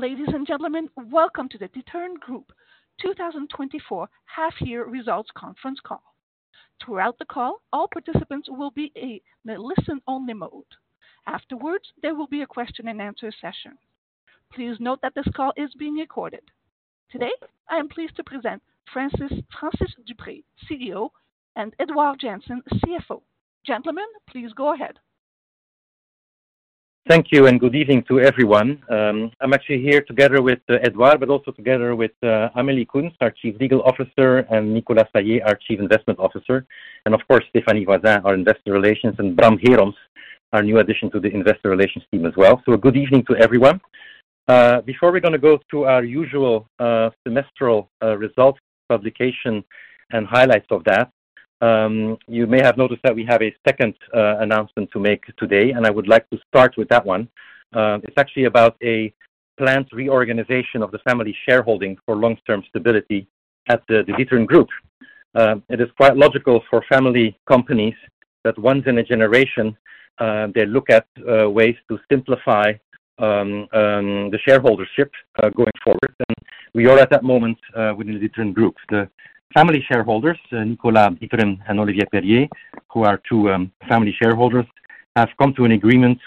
Ladies and gentlemen, welcome to the D'Ieteren Group 2024 H1 Results Conference Call. Throughout the call, all participants will be in the listen-only mode. Afterwards, there will be a question and answer session. Please note that this call is being recorded. Today, I am pleased to present Francis Deprez, CEO, and Edouard Janssen, CFO. Gentlemen, please go ahead. Thank you, and good evening to everyone. I'm actually here together with Edouard, but also together with Amélie Coens, our Chief Legal Officer, and Nicolas Saillez, our Chief Investment Officer, and of course, Stéphanie Voisin, our investor relations, and Bram Geeroms, our new addition to the investor relations team as well. So a good evening to everyone. Before we're gonna go through our usual semestral results publication, and highlights of that, you may have noticed that we have a second announcement to make today, and I would like to start with that one. It's actually about a planned reorganization of the family shareholding for long-term stability at the D'Ieteren Group. It is quite logical for family companies that once in a generation, they look at ways to simplify the shareholdership going forward. We are at that moment within the D'Ieteren Group. The family shareholders, Nicolas D'Ieteren and Olivier Périer, who are two family shareholders, have come to an agreement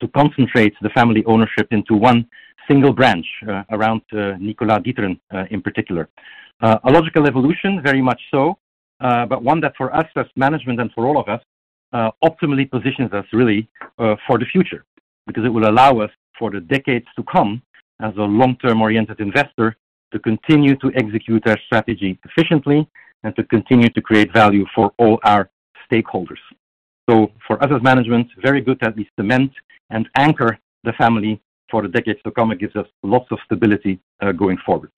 to concentrate the family ownership into one single branch around Nicolas D'Ieteren in particular. A logical evolution, very much so, but one that for us as management and for all of us optimally positions us really for the future, because it will allow us for the decades to come, as a long-term-oriented investor, to continue to execute our strategy efficiently and to continue to create value for all our stakeholders. So for us as management, very good that we cement and anchor the family for the decades to come. It gives us lots of stability going forward.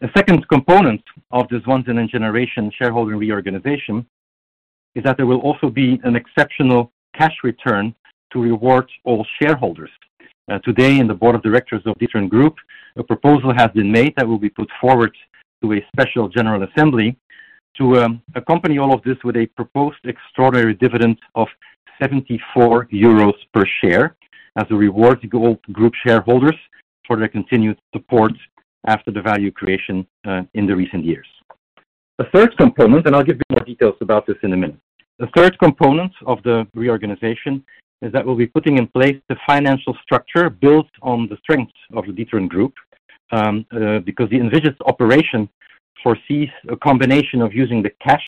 The second component of this once-in-a-generation shareholder reorganization is that there will also be an exceptional cash return to reward all shareholders. Today, in the board of directors of D'Ieteren Group, a proposal has been made that will be put forward to a Special General Assembly to accompany all of this with a proposed extraordinary dividend of 74 euros per share as a reward to all group shareholders for their continued support after the value creation in the recent years. The third component, and I'll give you more details about this in a minute. The third component of the reorganization is that we'll be putting in place the financial structure built on the strength of the D'Ieteren Group, because the envisaged operation foresees a combination of using the cash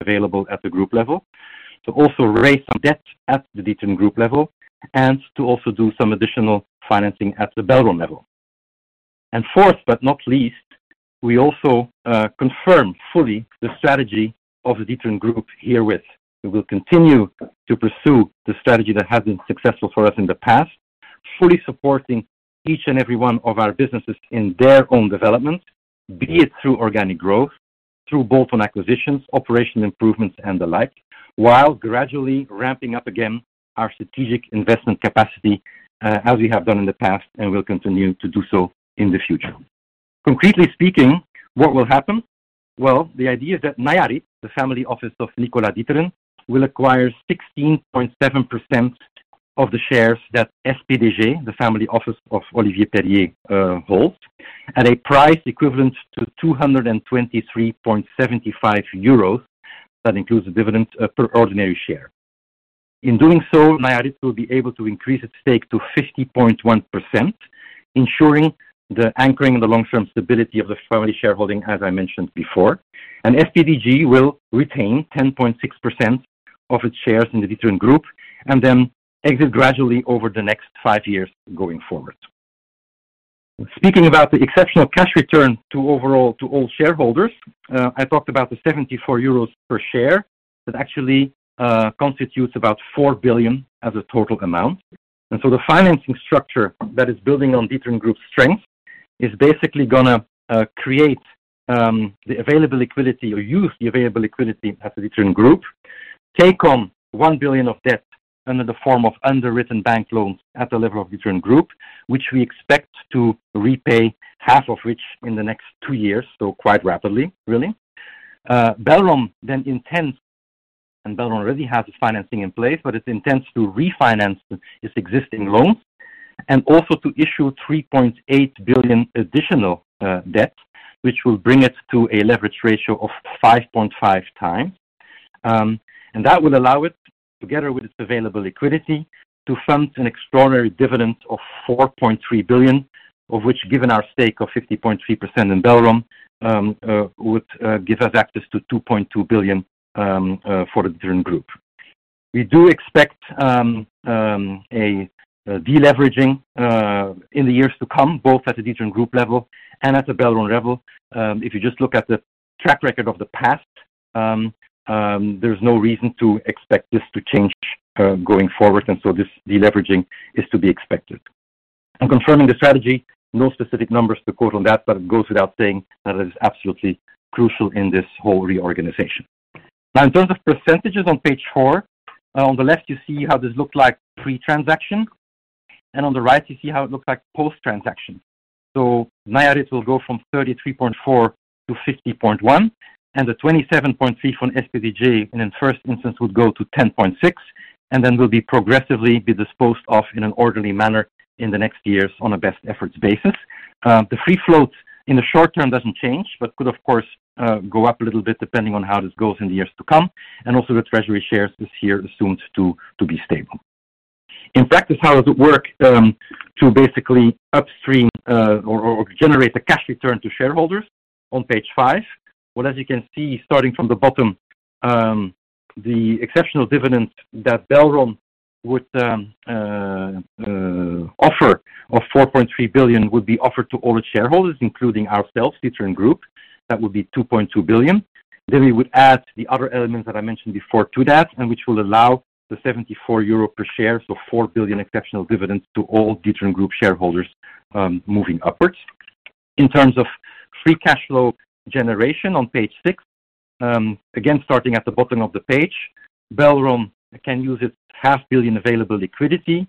available at the group level to also raise some debt at the D'Ieteren Group level and to also do some additional financing at the Belron level. And fourth, but not least, we also confirm fully the strategy of the D'Ieteren Group herewith. We will continue to pursue the strategy that has been successful for us in the past, fully supporting each and every one of our businesses in their own development, be it through organic growth, through both on acquisitions, operation improvements, and the like, while gradually ramping up again our strategic investment capacity, as we have done in the past and will continue to do so in the future. Concretely speaking, what will happen? Well, the idea is that Nayarit, the family office of Nicolas D'Ieteren, will acquire 16.7% of the shares that SPDG, the family office of Olivier Périer, holds, at a price equivalent to 223.75 euros. That includes a dividend per ordinary share. In doing so, Nayarit will be able to increase its stake to 50.1%, ensuring the anchoring and the long-term stability of the family shareholding, as I mentioned before. SPDG will retain 10.6% of its shares in the D'Ieteren Group, and then exit gradually over the next five years going forward. Speaking about the exceptional cash return overall to all shareholders, I talked about the 74 euros per share. That actually constitutes about 4 billion as a total amount. So the financing structure that is building on D'Ieteren Group's strength is basically gonna create the available liquidity or use the available liquidity at the D'Ieteren Group, take on 1 billion of debt under the form of underwritten bank loans at the level of D'Ieteren Group, which we expect to repay half of which in the next two years, so quite rapidly, really. Belron then intends, and Belron already has its financing in place, but it intends to refinance its existing loans and also to issue 3.8 billion additional debt, which will bring it to a leverage ratio of 5.5 times. And that will allow it, together with its available liquidity, to fund an extraordinary dividend of 4.3 billion, of which, given our stake of 50.3% in Belron, would give us access to 2.2 billion for the D'Ieteren Group. We do expect a deleveraging in the years to come, both at the D'Ieteren Group level and at the Belron level. If you just look at the track record of the past, there's no reason to expect this to change going forward, and so this deleveraging is to be expected. I'm confirming the strategy, no specific numbers to quote on that, but it goes without saying that it is absolutely crucial in this whole reorganization. Now, in terms of percentages on page four, on the left you see how this looked like pre-transaction, and on the right you see how it looks like post-transaction. So Nayarit will go from 33.4% to 50.1%, and the 27.3% from SPDG, and in first instance, would go to 10.6%... and then will be progressively disposed of in an orderly manner in the next years on a best efforts basis. The free float in the short term doesn't change, but could, of course, go up a little bit depending on how this goes in the years to come. And also the treasury shares this year assumed to be stable. In practice, how does it work, to basically upstream, or generate a cash return to shareholders? On page five. As you can see, starting from the bottom, the exceptional dividend that Belron would offer of 4.3 billion would be offered to all its shareholders, including ourselves, D'Ieteren Group. That would be 2.2 billion. Then we would add the other elements that I mentioned before to that, and which will allow the 74 euro per share, so 4 billion exceptional dividends to all D'Ieteren Group shareholders, moving upwards. In terms of free cash flow generation on page six, again, starting at the bottom of the page, Belron can use its 500 million available liquidity,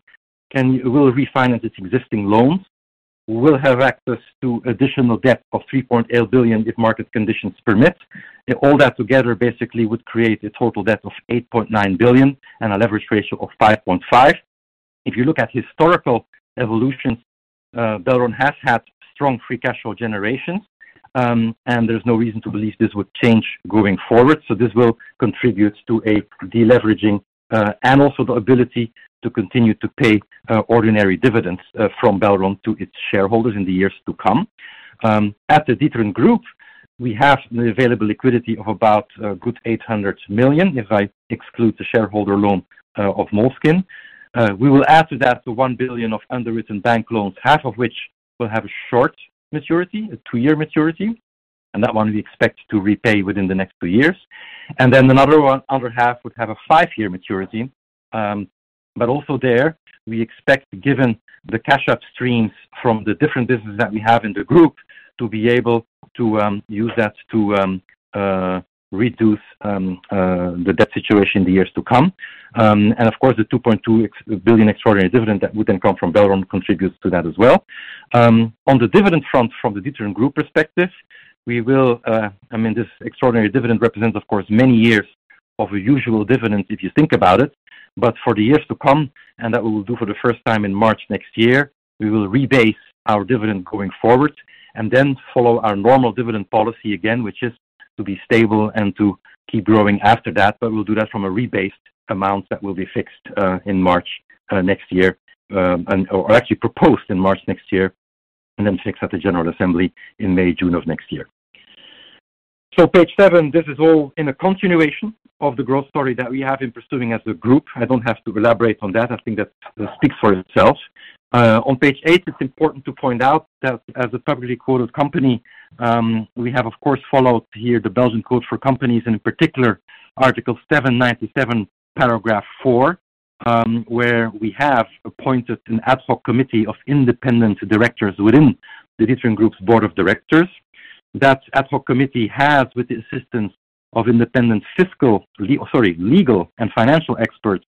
will refinance its existing loans, will have access to additional debt of 3.8 billion if market conditions permit. All that together basically would create a total debt of 8.9 billion and a leverage ratio of 5.5. If you look at historical evolution, Belron has had strong free cash flow generation, and there's no reason to believe this would change going forward. So this will contribute to a deleveraging, and also the ability to continue to pay ordinary dividends from Belron to its shareholders in the years to come. At the D'Ieteren Group, we have available liquidity of about a good 800 million, if I exclude the shareholder loan of Moleskine. We will add to that 1 billion of underwritten bank loans, half of which will have a short maturity, a two-year maturity, and that one we expect to repay within the next two years, and then another one, other half, would have a five-year maturity. But also there, we expect, given the cash Upstreams from the different businesses that we have in the group, to be able to use that to reduce the debt situation in the years to come. And of course, the 2.2 billion extraordinary dividend that would then come from Belron contributes to that as well. On the dividend front, from the D'Ieteren Group perspective, we will. I mean, this extraordinary dividend represents, of course, many years of a usual dividend, if you think about it. But for the years to come, and that we will do for the first time in March next year, we will rebase our dividend going forward and then follow our normal dividend policy again, which is to be stable and to keep growing after that. But we'll do that from a rebased amount that will be fixed in March next year. Or actually proposed in March next year, and then fixed at the General Assembly in May, June of next year. So page seven, this is all in a continuation of the growth story that we have been pursuing as a group. I don't have to elaborate on that. I think that speaks for itself. On page eight, it's important to point out that as a publicly quoted company, we have, of course, followed here the Belgian code for companies, and in particular, Article 797, Paragraph four, where we have appointed an ad hoc committee of independent directors within the D'Ieteren Group's board of directors. That ad hoc committee has, with the assistance of independent fiscal, legal and financial experts,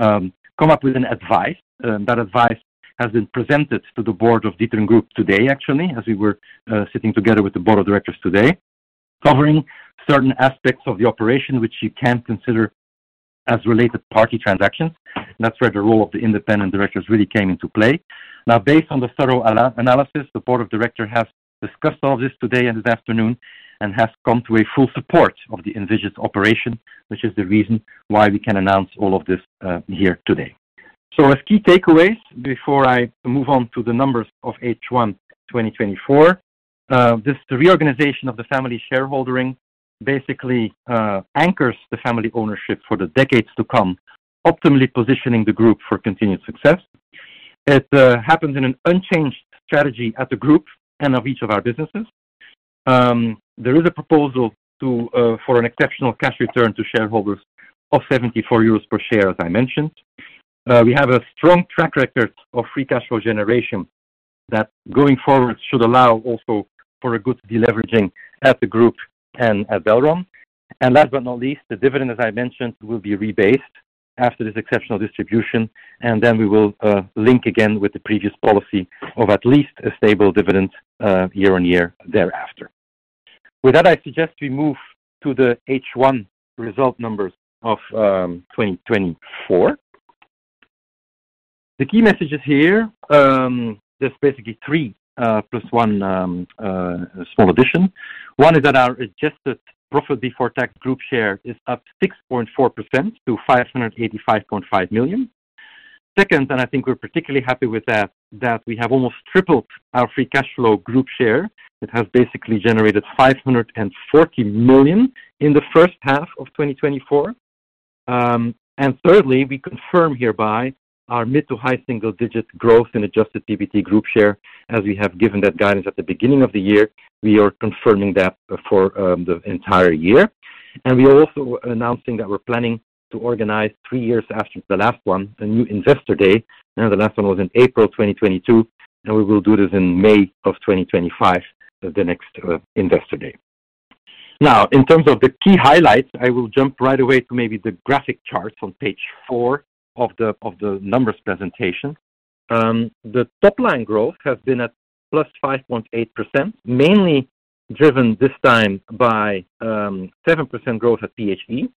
come up with an advice. That advice has been presented to the board of D'Ieteren Group today, actually, as we were sitting together with the board of directors today, covering certain aspects of the operation, which you can consider as related party transactions. That's where the role of the independent directors really came into play. Now, based on the thorough analysis, the board of directors has discussed all this today and this afternoon, and has come to a full support of the envisaged operation, which is the reason why we can announce all of this, here today. As key takeaways, before I move on to the numbers of H1 2024, this, the reorganization of the family shareholdering basically anchors the family ownership for the decades to come, optimally positioning the group for continued success. It happens in an unchanged strategy at the group and of each of our businesses. There is a proposal for an exceptional cash return to shareholders of 74 euros per share, as I mentioned. We have a strong track record of free cash flow generation that, going forward, should allow also for a good deleveraging at the group and at Belron. Last but not least, the dividend, as I mentioned, will be rebased after this exceptional distribution, and then we will link again with the previous policy of at least a stable dividend year on year thereafter. With that, I suggest we move to the H1 results of 2024. The key messages here, there's basically three, plus one, small addition. One is that our adjusted profit before tax group share is up 6.4% to 585.5 million. Second, and I think we're particularly happy with that, that we have almost tripled our free cash flow group share. It has basically generated 540 million in the first half of 2024. And thirdly, we confirm hereby our mid- to high-single-digit growth in adjusted PBT Group share. As we have given that guidance at the beginning of the year, we are confirming that for the entire year. We are also announcing that we're planning to organize three years after the last one, a New Investor Day. The last one was in April 2022, and we will do this in May 2025, the next investor day. Now, in terms of the key highlights, I will jump right away to maybe the graphic charts on page four of the numbers presentation. The top line growth has been at plus 5.8%, mainly driven this time by 7% growth at PHE,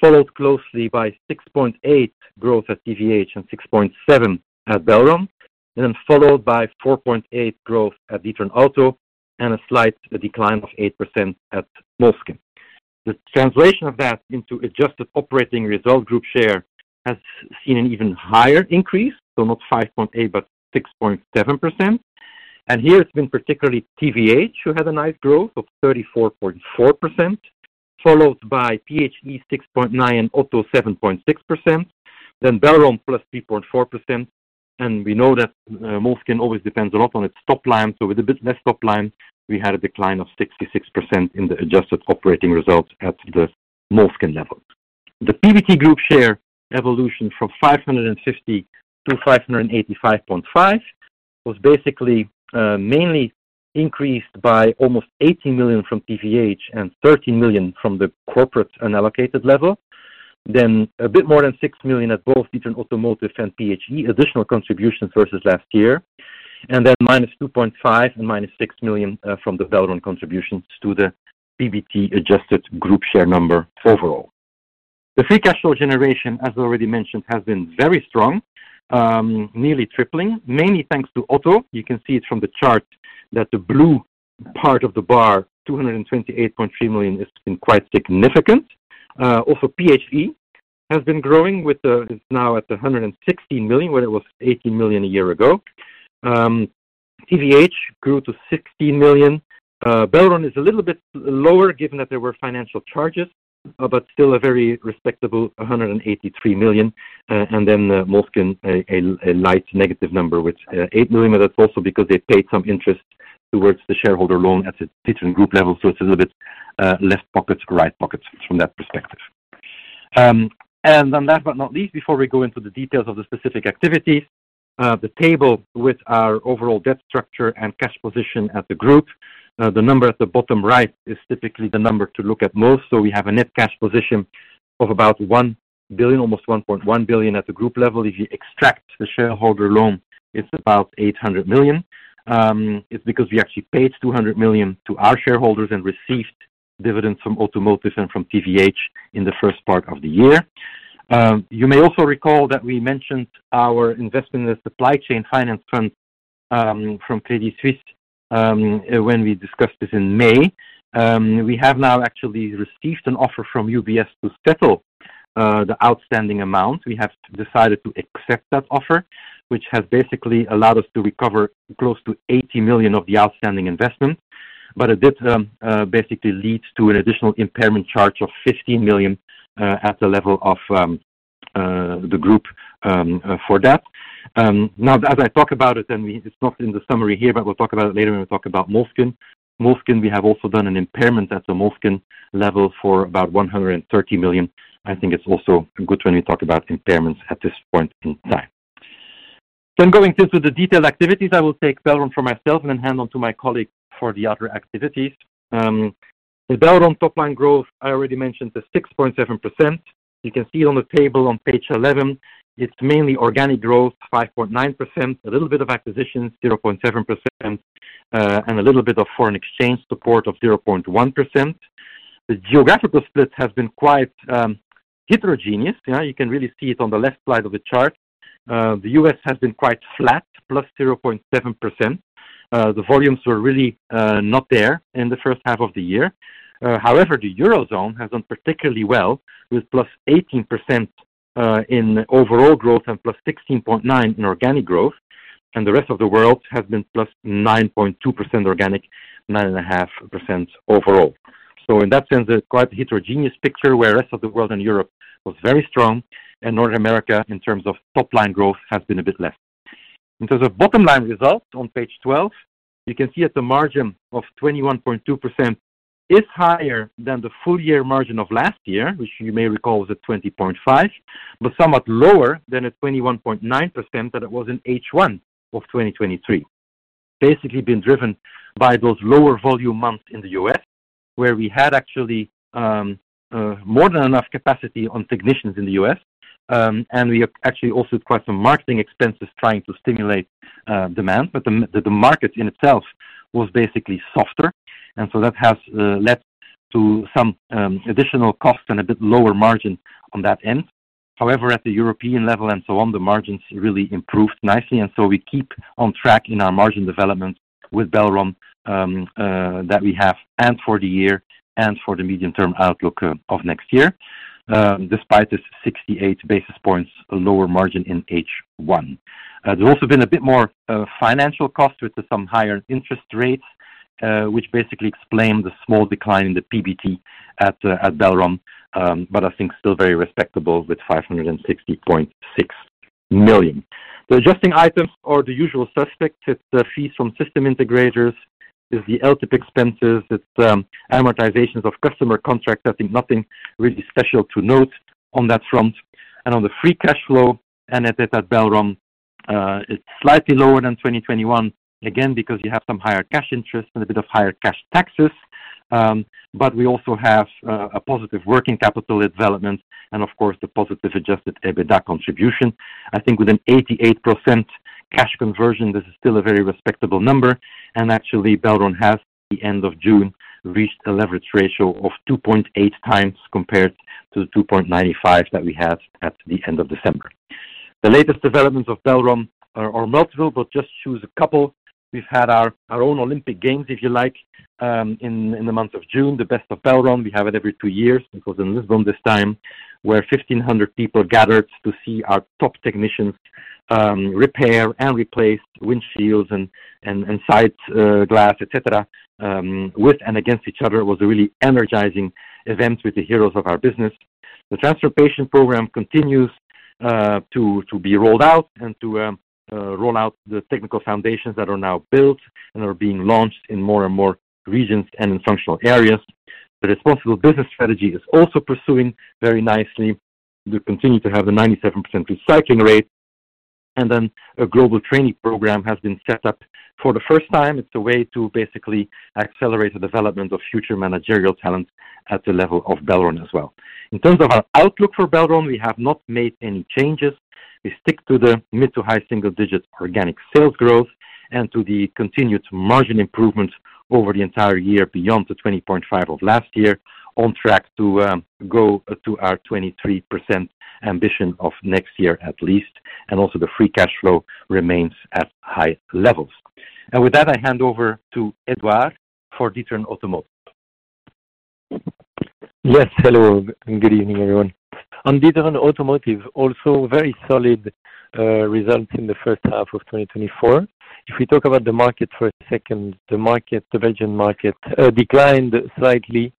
followed closely by 6.8% growth at TVH and 6.7% at Belron, and then followed by 4.8% growth at D'Ieteren Automotive and a slight decline of 8% at Moleskine. The translation of that into adjusted operating result group share has seen an even higher increase, so not 5.8%, but 6.7%. Here it's been particularly TVH, who had a nice growth of 34.4%, followed by PHE 6.9%, Automotive 7.6%, then Belron plus 3.4%. We know that Moleskine always depends a lot on its top line. With a bit less top line, we had a decline of 66% in the adjusted operating results at the Moleskine level. The PBT group share evolution from 550 - 585.5 was basically mainly increased by almost 80 million from TVH and 30 million from the corporate unallocated level. Then a bit more than 6 million at both D'Ieteren Automotive and PHE, additional contribution versus last year, and then minus 2.5 and minus 6 million from the Belron contributions to the PBT adjusted group share number overall. The free cash flow generation, as already mentioned, has been very strong, nearly tripling, mainly thanks to Auto. You can see it from the chart that the blue part of the bar, 228.3 million, has been quite significant. Also, PHE has been growing with the. It's now at 116 million, where it was 18 million a year ago. TVH grew to 16 million. Belron is a little bit lower, given that there were financial charges, but still a very respectable 183 million. And then Moleskine, a light negative number, which 8 million, but that's also because they paid some interest towards the shareholder loan at the D'Ieteren Group level. So it's a little bit, left pockets, right pockets from that perspective. And then last but not least, before we go into the details of the specific activities, the table with our overall debt structure and cash position at the group. The number at the bottom right is typically the number to look at most. So we have a net cash position of about 1 billion, almost 1.1 billion at the group level. If you extract the shareholder loan, it's about 800 million. It's because we actually paid 200 million to our shareholders and received dividends from Automotive and from TVH in the first part of the year. You may also recall that we mentioned our investment in the supply chain finance fund from Credit Suisse when we discussed this in May. We have now actually received an offer from UBS to settle the outstanding amount. We have decided to accept that offer, which has basically allowed us to recover close to 80 million of the outstanding investment, but it did basically leads to an additional impairment charge of 15 million at the level of the group for that. Now as I talk about it, it's not in the summary here, but we'll talk about it later when we talk about Moleskine. Moleskine, we have also done an impairment at the Moleskine level for about 130 million. I think it's also good when we talk about impairments at this point in time. So I'm going into the detailed activities. I will take Belron for myself and then hand on to my colleague for the other activities. The Belron top-line growth, I already mentioned, is 6.7%. You can see on the table on page 11, it's mainly organic growth, 5.9%, a little bit of acquisitions, 0.7%, and a little bit of foreign exchange support of 0.1%. The geographical split has been quite heterogeneous. You can really see it on the left side of the chart. The U.S. has been quite flat, +0.7%. The volumes were really not there in the first half of the year. However, the Eurozone has done particularly well, with +18% in overall growth and +16.9% in organic growth, and the rest of the world has been +9.2% organic, 9.5% overall. In that sense, it's quite a heterogeneous picture, where rest of the world and Europe was very strong, and North America, in terms of top-line growth, has been a bit less. The bottom line results on page 12, you can see at the margin of 21.2% is higher than the full year margin of last year, which you may recall was at 20.5%, but somewhat lower than a 21.9% that it was in H1 of 2023. Basically been driven by those lower volume months in the U.S., where we had actually more than enough capacity on technicians in the U.S., and we have actually also quite some marketing expenses trying to stimulate demand, but the market in itself was basically softer, and so that has led to some additional costs and a bit lower margin on that end. However, at the European level and so on, the margins really improved nicely, and so we keep on track in our margin development with Belron that we have and for the year and for the medium-term outlook of next year, despite this 68 basis points lower margin in H1. There's also been a bit more financial cost with some higher interest rates, which basically explain the small decline in the PBT at Belron, but I think still very respectable with 560.6 million. The adjusting items are the usual suspects. It's the fees from system integrators, it's the LTIP expenses, it's amortizations of customer contracts. I think nothing really special to note on that front. And on the free cash flow at Belron, it's slightly lower than 2021. Again, because you have some higher cash interest and a bit of higher cash taxes. But we also have a positive working capital development and of course, the positive adjusted EBITDA contribution. I think with an 88% cash conversion, this is still a very respectable number, and actually, Belron has, at the end of June, reached a leverage ratio of 2.8 times compared to the 2.95 that we had at the end of December. The latest developments of Belron are multiple, but just choose a couple. We've had our own Olympic Games, if you like, in the month of June, the Best of Belron. We have it every two years. It was in Lisbon this time, where 1,500 people gathered to see our top technicians repair and replace windshields and sides glass, et cetera, with and against each other. It was a really energizing event with the heroes of our business. The transformation program continues to be rolled out and to roll out the technical foundations that are now built and are being launched in more and more regions and in functional areas. The responsible business strategy is also pursuing very nicely. We continue to have a 97% recycling rate, and then a global training program has been set up for the first time. It's a way to basically accelerate the development of future managerial talent at the level of Belron as well. In terms of our outlook for Belron, we have not made any changes. We stick to the mid to high single digit organic sales growth and to the continued margin improvement over the entire year, beyond the 20.5% of last year, on track to go to our 23% ambition of next year at least. Also the free cash flow remains at high levels. With that, I hand over to Edouard for D'Ieteren Automotive. Yes, hello and good evening, everyone. On D'Ieteren Automotive, also very solid, results in the first half of 2024. If we talk about the market for a second, the market, the Belgian market, declined slightly,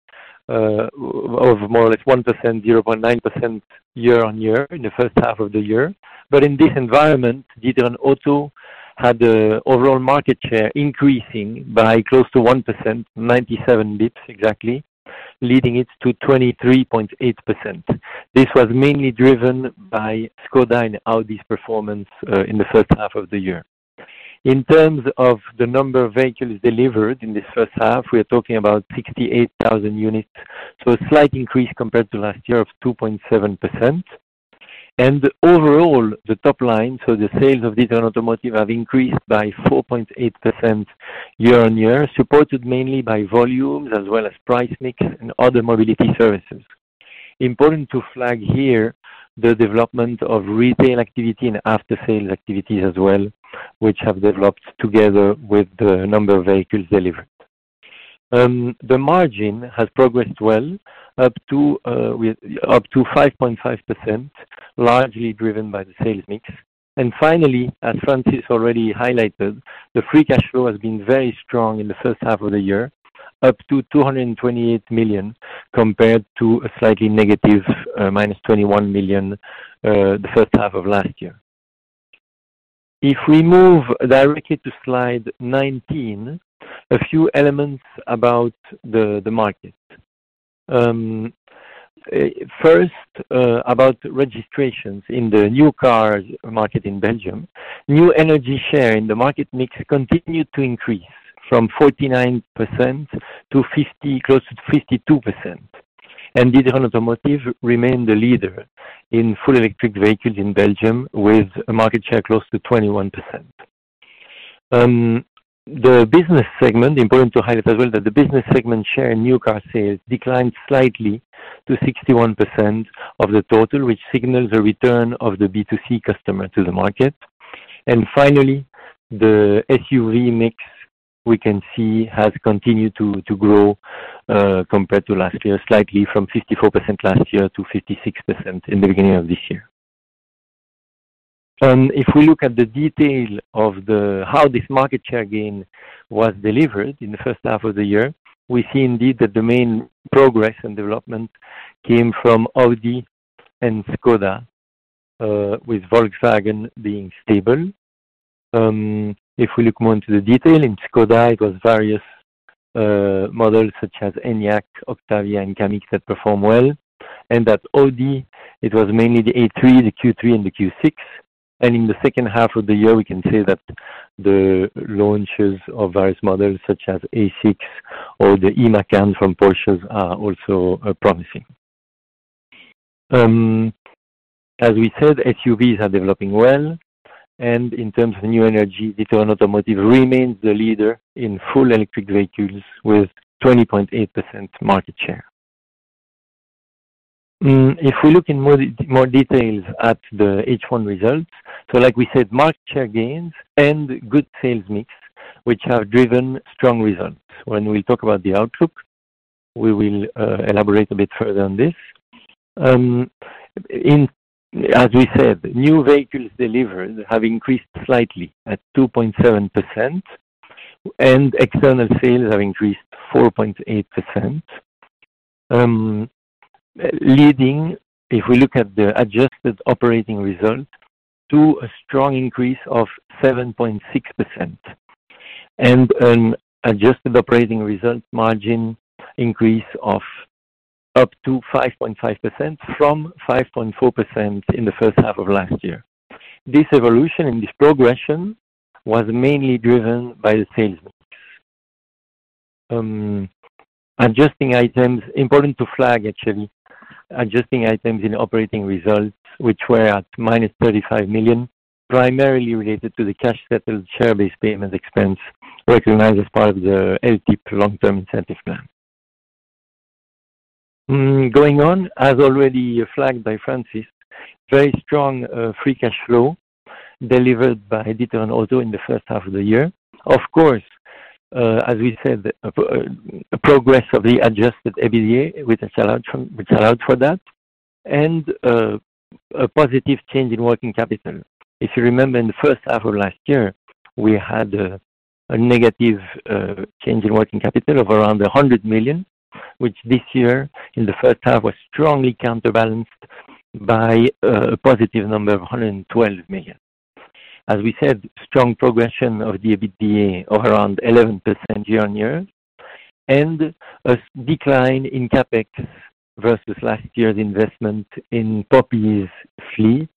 of more or less 1%, 0.9% year on year in the first half of the year. But in this environment, D'Ieteren Auto had the overall market share increasing by close to 1%, 97 basis points exactly, leading it to 23.8%. This was mainly driven by Škoda and Audi's performance, in the first half of the year. In terms of the number of vehicles delivered in this first half, we are talking about 68,000 units, so a slight increase compared to last year of 2.7%. And overall, the top line, so the sales of D'Ieteren Automotive have increased by 4.8% year on year, supported mainly by volumes as well as price mix and other mobility services. Important to flag here, the development of retail activity and after sales activities as well, which have developed together with the number of vehicles delivered. The margin has progressed well, up to, with up to 5.5%, largely driven by the sales mix. And finally, as Francis already highlighted, the free cash flow has been very strong in the first half of the year, up to 228 million, compared to a slightly negative, minus 21 million, the first half of last year. If we move directly to slide 19, a few elements about the market. First, about registrations in the new car market in Belgium. New energy share in the market mix continued to increase from 49%-50%, close to 52%. D'Ieteren Automotive remained the leader in full electric vehicles in Belgium, with a market share close to 21%. The business segment, important to highlight as well, that the business segment share in new car sales declined slightly to 61% of the total, which signals a return of the B2C customer to the market. Finally, the SUV mix we can see has continued to grow, compared to last year, slightly from 54% last year to 56% in the beginning of this year. If we look at the detail of how this market share gain was delivered in the first half of the year, we see, indeed, that the main progress and development came from Audi and Škoda, with Volkswagen being stable. If we look more into the detail in Škoda, it was various models such as Enyaq, Octavia, and Kamiq that perform well. And at Audi, it was mainly the A3, the Q3, and the Q6. And in the second half of the year, we can say that the launches of various models, such as A6 or the Macan from Porsche, are also promising. As we said, SUVs are developing well, and in terms of new energy, D'Ieteren Automotive remains the leader in full electric vehicles with 20.8% market share. If we look in more details at the H1 results, so like we said, market share gains and good sales mix, which have driven strong results. When we talk about the outlook, we will elaborate a bit further on this. As we said, new vehicles delivered have increased slightly at 2.7%, and external sales have increased 4.8%. Leading, if we look at the adjusted operating result, to a strong increase of 7.6% and an adjusted operating result margin increase of up to 5.5% from 5.4% in the first half of last year. This evolution and this progression was mainly driven by the sales. Adjusting items, important to flag, actually, adjusting items in operating results, which were at -35 million, primarily related to the cash settled share-based payment expense recognized as part of the LTIP long-term incentive plan. Going on, as already flagged by Francis, very strong free cash flow delivered by D'Ieteren Auto in the first half of the year. Of course, as we said, a progress of the adjusted EBITDA, which allowed for that, and a positive change in working capital. If you remember, in the first half of last year, we had a negative change in working capital of around 100 million, which this year, in the first half, was strongly counterbalanced by a positive number of 112 million. As we said, strong progression of the EBITDA of around 11% year-on-year, and a decline in CapEx versus last year's investment in Poppy's fleet.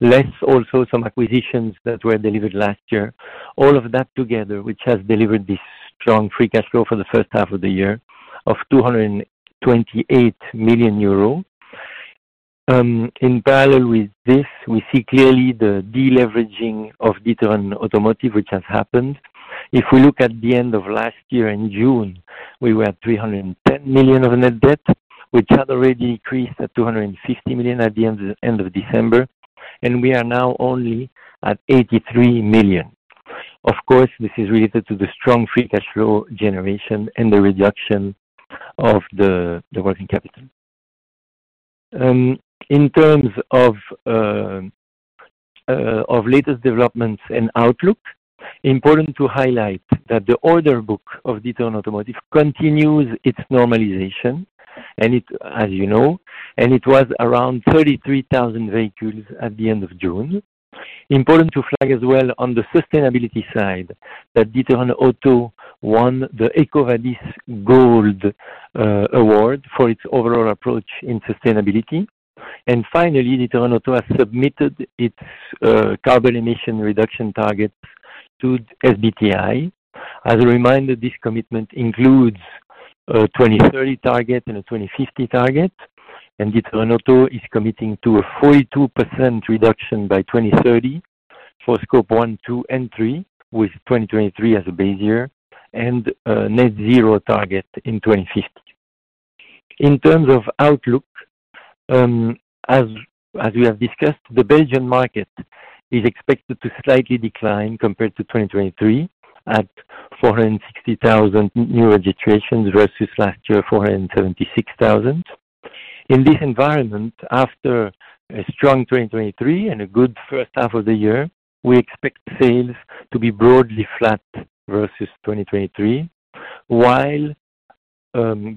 Less also some acquisitions that were delivered last year. All of that together, which has delivered this strong free cash flow for the first half of the year of 228 million euro. In parallel with this, we see clearly the deleveraging of D'Ieteren Automotive, which has happened. If we look at the end of June last year, we were at 310 million of net debt, which had already decreased to 250 million at the end of December, and we are now only at 83 million. Of course, this is related to the strong free cash flow generation and the reduction of the working capital. In terms of latest developments and outlook, important to highlight that the order book of D'Ieteren Automotive continues its normalization, and it, as you know, and it was around 33,000 vehicles at the end of June. Important to flag as well on the sustainability side, that D'Ieteren Auto won the EcoVadis Gold Award for its overall approach in sustainability. Finally, D'Ieteren Auto has submitted its carbon emission reduction target to SBTi. As a reminder, this commitment includes a 2030 target and a 2050 target, and D'Ieteren Auto is committing to a 42% reduction by 2030 for Scope one, two, and three, with 2023 as a base year and a net zero target in 2050. In terms of outlook, as we have discussed, the Belgian market is expected to slightly decline compared to 2023, at 460,000 new registrations versus last year, 476,000. In this environment, after a strong 2023 and a good first half of the year, we expect sales to be broadly flat versus 2023, while,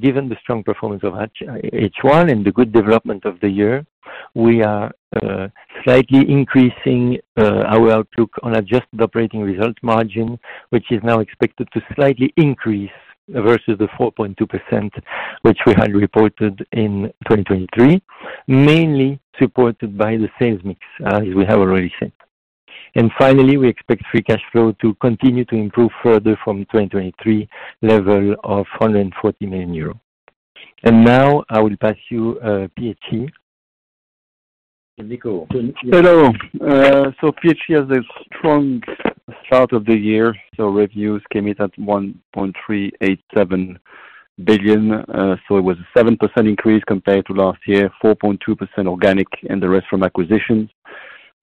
given the strong performance of H1 and the good development of the year, we are slightly increasing our outlook on adjusted operating result margin, which is now expected to slightly increase versus the 4.2%, which we had reported in 2023, mainly supported by the sales mix, as we have already said. Finally, we expect free cash flow to continue to improve further from 2023 level of 140 million euro. And now I will pass you, PHE. Nico. Hello. So PHE has a strong start of the year, so revenues came in at 1.387 billion. So it was a 7% increase compared to last year, 4.2% organic, and the rest from acquisitions.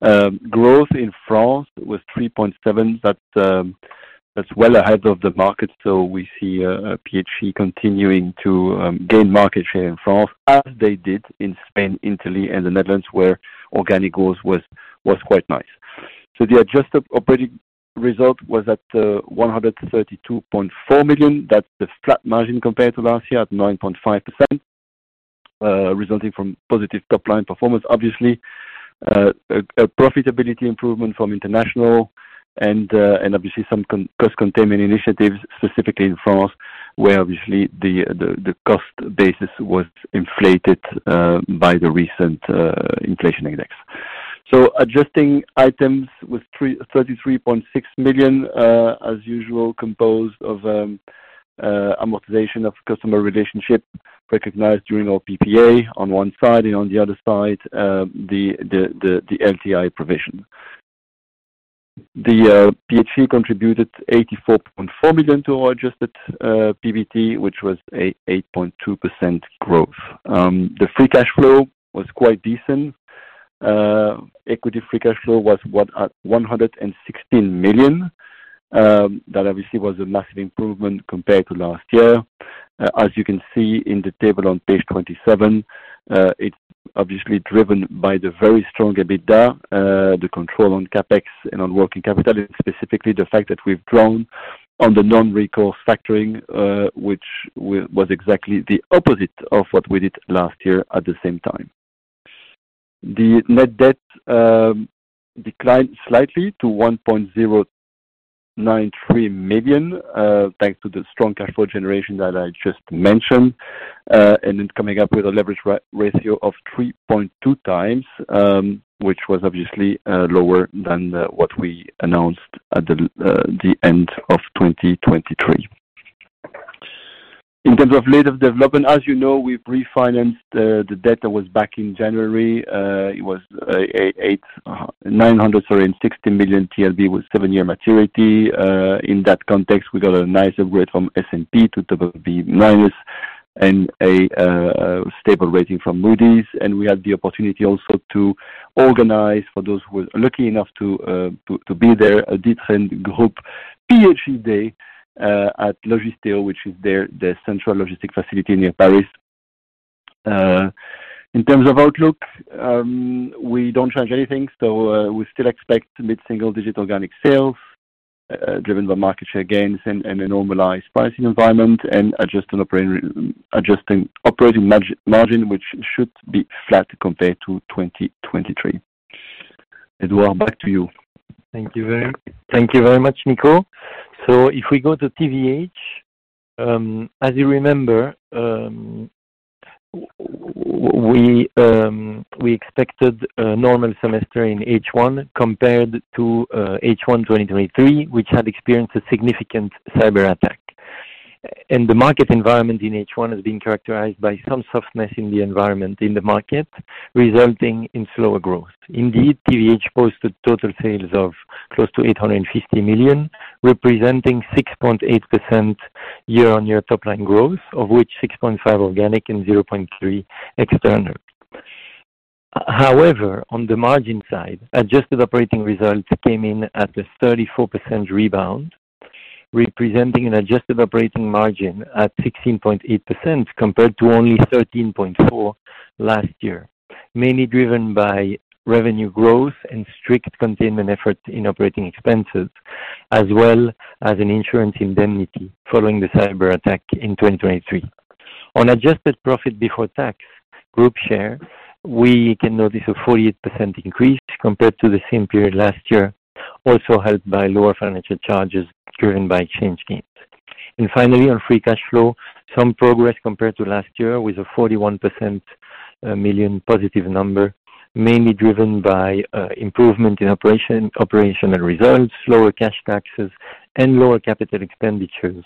Growth in France was 3.7%, but that's well ahead of the market, so we see PHE continuing to gain market share in France as they did in Spain, Italy, and the Netherlands, where organic growth was quite nice. So the adjusted operating result was at 132.4 million. That's a flat margin compared to last year, at 9.5%, resulting from positive top-line performance, obviously. A profitability improvement from international and obviously some cost containment initiatives, specifically in France, where obviously the cost basis was inflated by the recent inflation index, so adjusting items with 33.6 million, as usual, composed of amortization of customer relationship recognized during our PPA on one side and on the other side the LTI provision. PHE contributed 84.4 million to our Adjusted PBT, which was a 8.2% growth. The free cash flow was quite decent. Equity free cash flow was what? At 116 million. That obviously was a massive improvement compared to last year. As you can see in the table on page 27, it's obviously driven by the very strong EBITDA, the control on CapEx and on working capital, and specifically, the fact that we've drawn on the non-recourse factoring, which was exactly the opposite of what we did last year at the same time. The net debt declined slightly to 1.093 million, thanks to the strong cash flow generation that I just mentioned, and then coming up with a leverage ratio of 3.2 times, which was obviously lower than what we announced at the end of 2023. In terms of latest development, as you know, we've refinanced the debt that was back in January. It was 896 million TLB with seven-year maturity. In that context, we got a nice upgrade from S&P to double B minus, and a stable rating from Moody's, and we had the opportunity also to organize, for those who are lucky enough to be there, a D'Ieteren Group PHE Day at Logisteo, which is their central logistic facility near Paris. In terms of outlook, we don't change anything, so we still expect mid-single digit organic sales driven by market share gains and a normalized pricing environment, and adjusted operating margin, which should be flat compared to 2023. Edouard, back to you. Thank you very, thank you very much, Nico. So if we go to TVH, as you remember, we expected a normal semester in H1 compared to H1 2023, which had experienced a significant cyberattack. The market environment in H1 has been characterized by some softness in the environment, in the market, resulting in slower growth. Indeed, TVH posted total sales of close to 850 million, representing 6.8% year-on-year top line growth, of which 6.5% organic and 0.3% external. However, on the margin side, adjusted operating results came in at a 34% rebound, representing an adjusted operating margin at 16.8%, compared to only 13.4% last year. Mainly driven by revenue growth and strict containment efforts in operating expenses, as well as an insurance indemnity following the cyberattack in 2023. On adjusted profit before tax group share, we can notice a 48% increase compared to the same period last year, also helped by lower financial charges driven by exchange gains. Finally, on free cash flow, some progress compared to last year, with a 41 million positive number, mainly driven by improvement in operational results, lower cash taxes, and lower capital expenditures,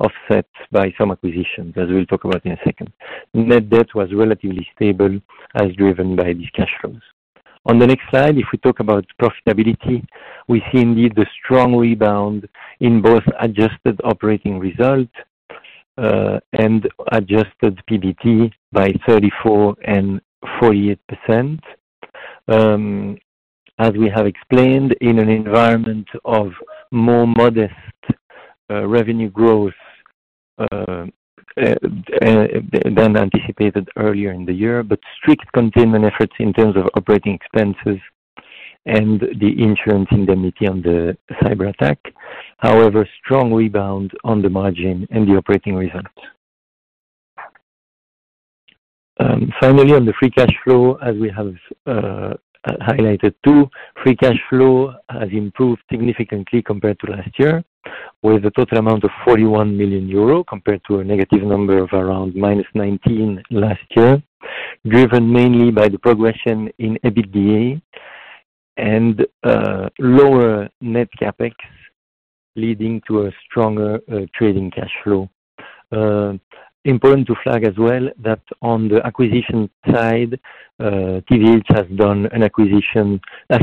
offset by some acquisitions, as we'll talk about in a second. Net debt was relatively stable as driven by these cash flows. On the next slide, if we talk about profitability, we see indeed the strong rebound in both adjusted operating results and adjusted PBT by 34% and 48%. As we have explained, in an environment of more modest revenue growth than anticipated earlier in the year, but strict containment efforts in terms of operating expenses and the insurance indemnity on the cyberattack. However, strong rebound on the margin and the operating results. Finally, on the free cash flow, as we have highlighted too, free cash flow has improved significantly compared to last year, with a total amount of 41 million euro, compared to a negative number of around -19 million last year, driven mainly by the progression in EBITDA and lower net CapEx, leading to a stronger trading cash flow. Important to flag as well, that on the acquisition side, TVH has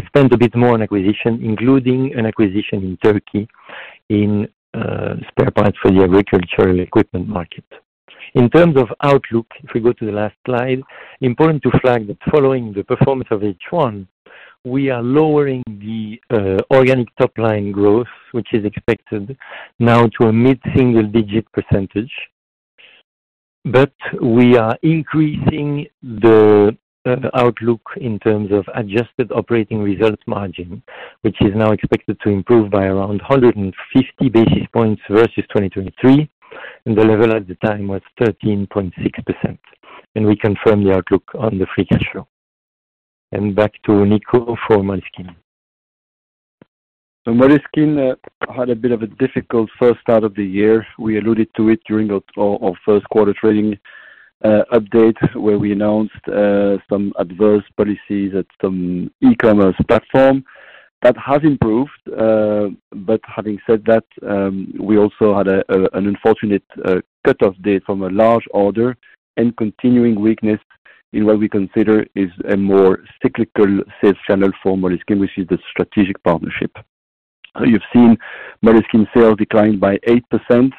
spent a bit more on acquisition, including an acquisition in Turkey, in spare parts for the agricultural equipment market. In terms of outlook, if we go to the last slide, important to flag that following the performance of H1, we are lowering the organic top line growth, which is expected now to a mid-single-digit %. But we are increasing the outlook in terms of adjusted operating results margin, which is now expected to improve by around 150 basis points versus 2023, and the level at the time was 13.6%. We confirm the outlook on the free cash flow. Back to Nico for Moleskine. Moleskine had a bit of a difficult first start of the year. We alluded to it during our first quarter trading update, where we announced some adverse policies at some e-commerce platform. That has improved, but having said that, we also had an unfortunate cut-off date from a large order and continuing weakness in what we consider is a more cyclical sales channel for Moleskine, which is the strategic partnership. You've seen Moleskine sales decline by 8%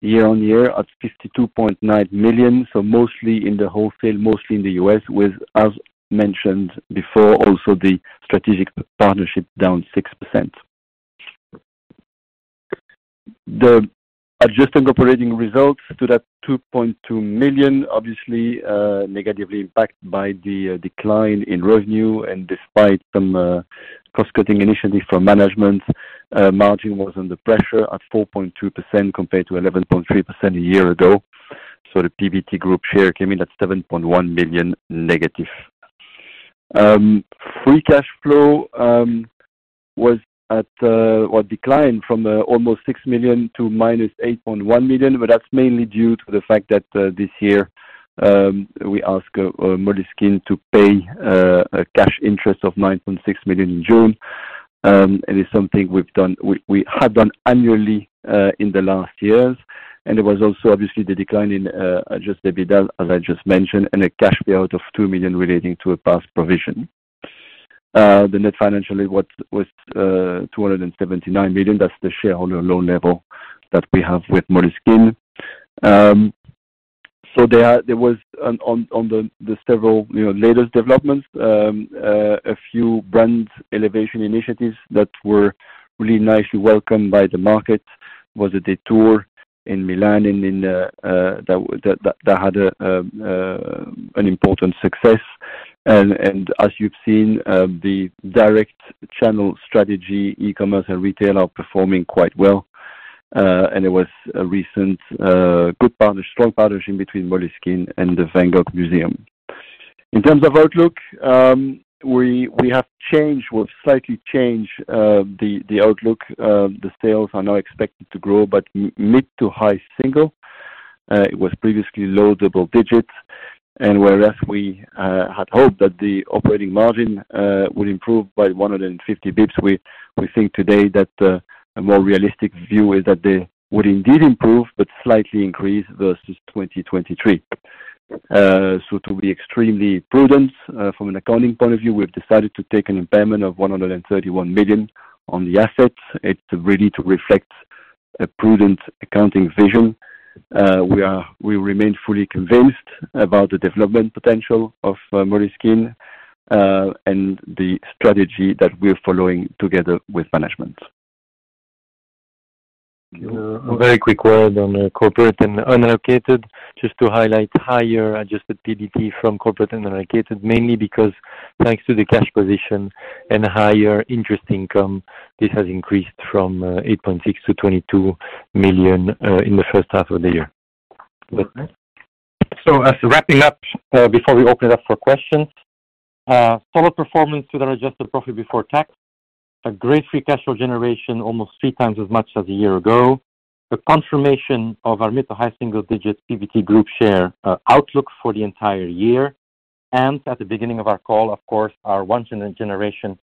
year on year at 52.9 million, so mostly in the wholesale, mostly in the U.S., with, as mentioned before, also the strategic partnership down 6%. The adjusted operating results to that 2.2 million, obviously negatively impacted by the decline in revenue and despite some cost-cutting initiative from management, margin was under pressure at 4.2% compared to 11.3% a year ago. So the PBT group share came in at negative 7.1 million. Free cash flow was at, well, declined from almost 6 million to minus 8.1 million, but that's mainly due to the fact that this year we ask Moleskine to pay a cash interest of 9.6 million in June. And it's something we've done - we have done annually in the last years. And there was also obviously the decline in adjusted EBITDA, as I just mentioned, and a cash payout of 2 million relating to a past provision. The net financial, what was, 279 million, that's the shareholder loan level that we have with Moleskine. So there was on the several, you know, latest developments, a few brand elevation initiatives that were really nicely welcomed by the market, was a Détour in Milan, and in that had an important success. And as you've seen, the direct channel strategy, e-commerce and retail are performing quite well. And there was a recent good partner, strong partnership between Moleskine and the Van Gogh Museum. In terms of outlook, we have changed, we've slightly changed the outlook. The sales are now expected to grow, but mid to high single. It was previously low double digits, and whereas we had hoped that the operating margin would improve by 150 basis points, we think today that a more realistic view is that they would indeed improve, but slightly increase versus 2023. So to be extremely prudent, from an accounting point of view, we've decided to take an impairment of 131 million on the assets. It's really to reflect a prudent accounting vision. We remain fully convinced about the development potential of Moleskine and the strategy that we're following together with management. A very quick word on corporate and unallocated, just to highlight higher adjusted PBT from corporate and unallocated, mainly because thanks to the cash position and higher interest income, this has increased from 8.6 million - 22 million in the first half of the year. So, as wrapping up, before we open it up for questions, solid performance to our adjusted profit before tax, a great free cash flow generation, almost three times as much as a year ago. The confirmation of our mid- to high-single-digit PBT Group share outlook for the entire year. And at the beginning of our call, of course, our once-in-a-generation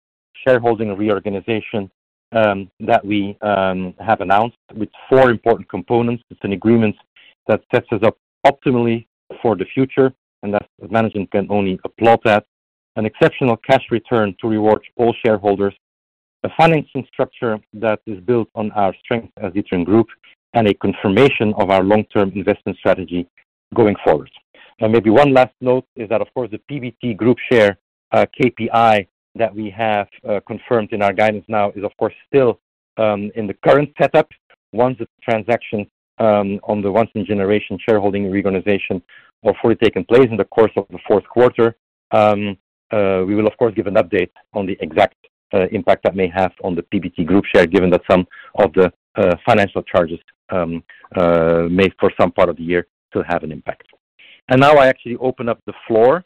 shareholding reorganization that we have announced with four important components. It's an agreement that sets us up optimally for the future and that management can only applaud at. An exceptional cash return to reward all shareholders, a financing structure that is built on our strength as D'Ieteren Group, and a confirmation of our long-term investment strategy going forward. Now, maybe one last note is that, of course, the PBT group share KPI that we have confirmed in our guidance now is, of course, still in the current setup. Once the transaction on the once-in-a-generation shareholding reorganization are fully taken place in the course of the fourth quarter, we will of course give an update on the exact impact that may have on the PBT group share, given that some of the financial charges made for some part of the year to have an impact, and now I actually open up the floor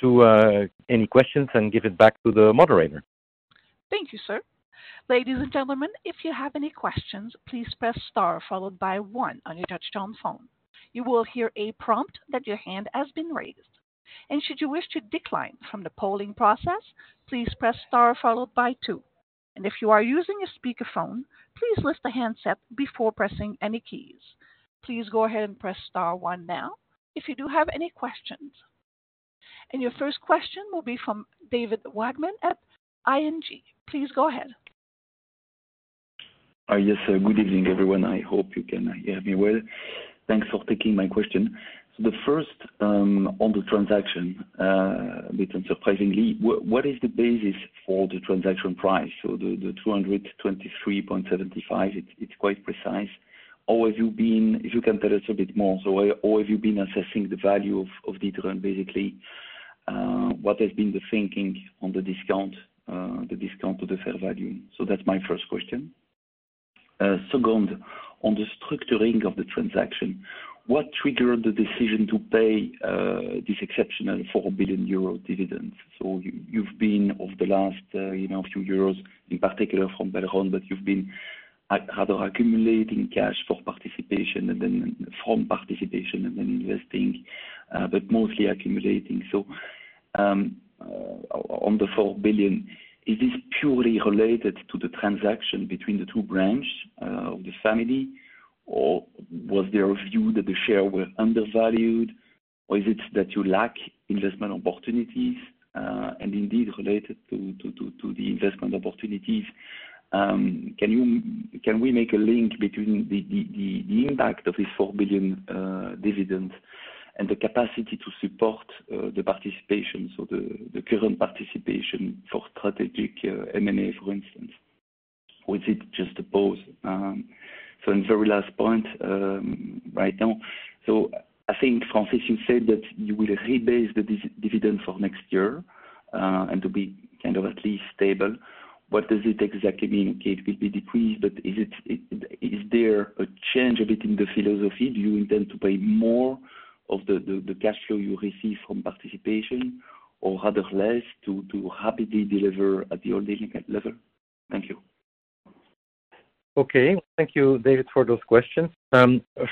to any questions and give it back to the moderator. Thank you, sir. Ladies and gentlemen, if you have any questions, please press star followed by one on your touchtone phone. You will hear a prompt that your hand has been raised. And should you wish to decline from the polling process, please press star followed by two. And if you are using a speakerphone, please lift the handset before pressing any keys. Please go ahead and press star one now if you do have any questions. And your first question will be from David Vagman at ING. Please go ahead. Yes, good evening, everyone. I hope you can hear me well. Thanks for taking my question. So the first, on the transaction, a bit unsurprisingly, what is the basis for the transaction price? So the 223.75, it's quite precise. Or have you been... If you can tell us a bit more, or have you been assessing the value of D'Ieteren, basically, what has been the thinking on the discount to the fair value? That's my first question. Second, on the structuring of the transaction, what triggered the decision to pay this exceptional 4 billion euro dividends? So you, you've been over the last, you know, few years, in particular from Belron, but you've been at rather accumulating cash for participation and then from participation and then investing, but mostly accumulating. So, on the 4 billion, is this purely related to the transaction between the two branches of the family? Or was there a view that the share were undervalued? Or is it that you lack investment opportunities? And indeed, related to the investment opportunities, can we make a link between the impact of this 4 billion dividend and the capacity to support the participation, so the current participation for strategic M&A, for instance? Or is it just a pause? Very last point, right now, so I think Francis, you said that you will rebase the dividend for next year. and to be kind of at least stable. What does it exactly mean? It will be decreased, but is it, is there a change a bit in the philosophy? Do you intend to pay more of the cash flow you receive from participation or rather less to happily deliver at your dividend level? Thank you. Okay, thank you, David, for those questions.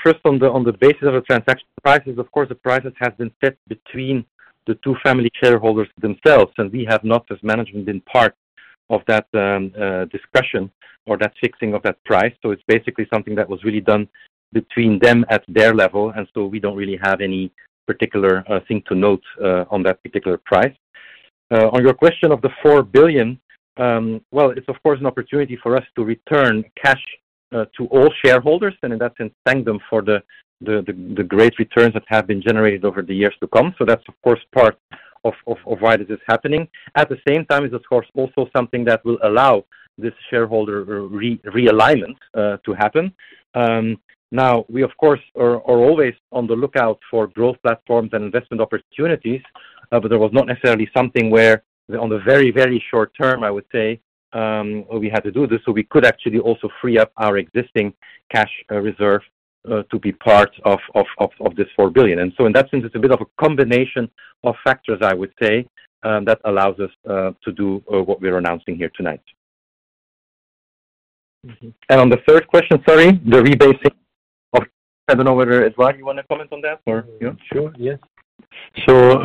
First, on the basis of the transaction prices, of course, the prices have been set between the two family shareholders themselves, and we have not, as management, been part of that discussion or that fixing of that price. So it's basically something that was really done between them at their level, and so we don't really have any particular thing to note on that particular price. On your question of the 4 billion, well, it's of course an opportunity for us to return cash to all shareholders, and in that sense, thank them for the great returns that have been generated over the years to come. So that's of course part of why this is happening. At the same time, it's of course also something that will allow this shareholder realignment to happen. Now we, of course, are always on the lookout for growth platforms and investment opportunities, but there was not necessarily something where on the very, very short term, I would say, we had to do this, so we could actually also free up our existing cash reserve to be part of 4 billion. And so in that sense, it's a bit of a combination of factors, I would say, that allows us to do what we are announcing here tonight. Mm-hmm. And on the third question, sorry, the rebasing of. I don't know whether, Édouard, you want to comment on that or yeah? Sure. Yes. So,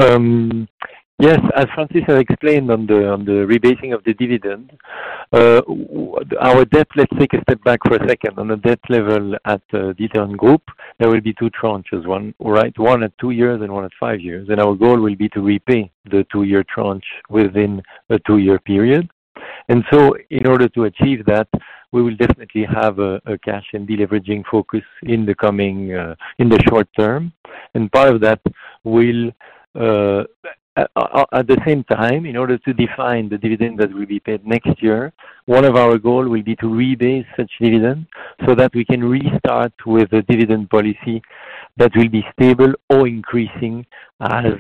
yes, as Francis has explained on the rebasing of the dividend, our debt. Let's take a step back for a second. On a debt level, at D'Ieteren Group, there will be two tranches. One, right, one at two years and one at five years. And our goal will be to repay the two-year tranche within a two-year period. And so in order to achieve that, we will definitely have a cash and deleveraging focus in the coming in the short term. And part of that will at the same time, in order to define the dividend that will be paid next year, one of our goal will be to rebase such dividend, so that we can restart with a dividend policy that will be stable or increasing as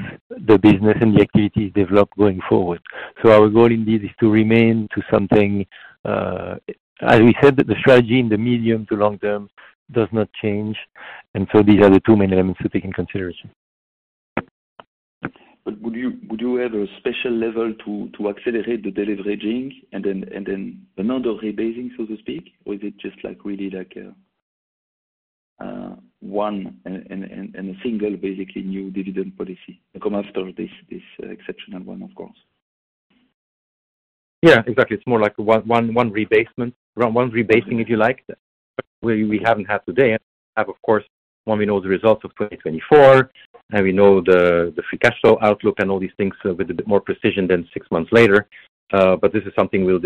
the business and the activities develop going forward. Our goal indeed is to remain to something, as we said, that the strategy in the medium to long term does not change. These are the two main elements to take in consideration. But would you have a special level to accelerate the deleveraging and then another rebasing, so to speak? Or is it just like really a one and a single, basically new dividend policy? After this exceptional one, of course. Yeah, exactly. It's more like one rebasement, around one rebasing, if you like, but we haven't had today. Of course, when we know the results of twenty twenty-four, and we know the free cash flow outlook and all these things with a bit more precision than six months later, but this is something we'll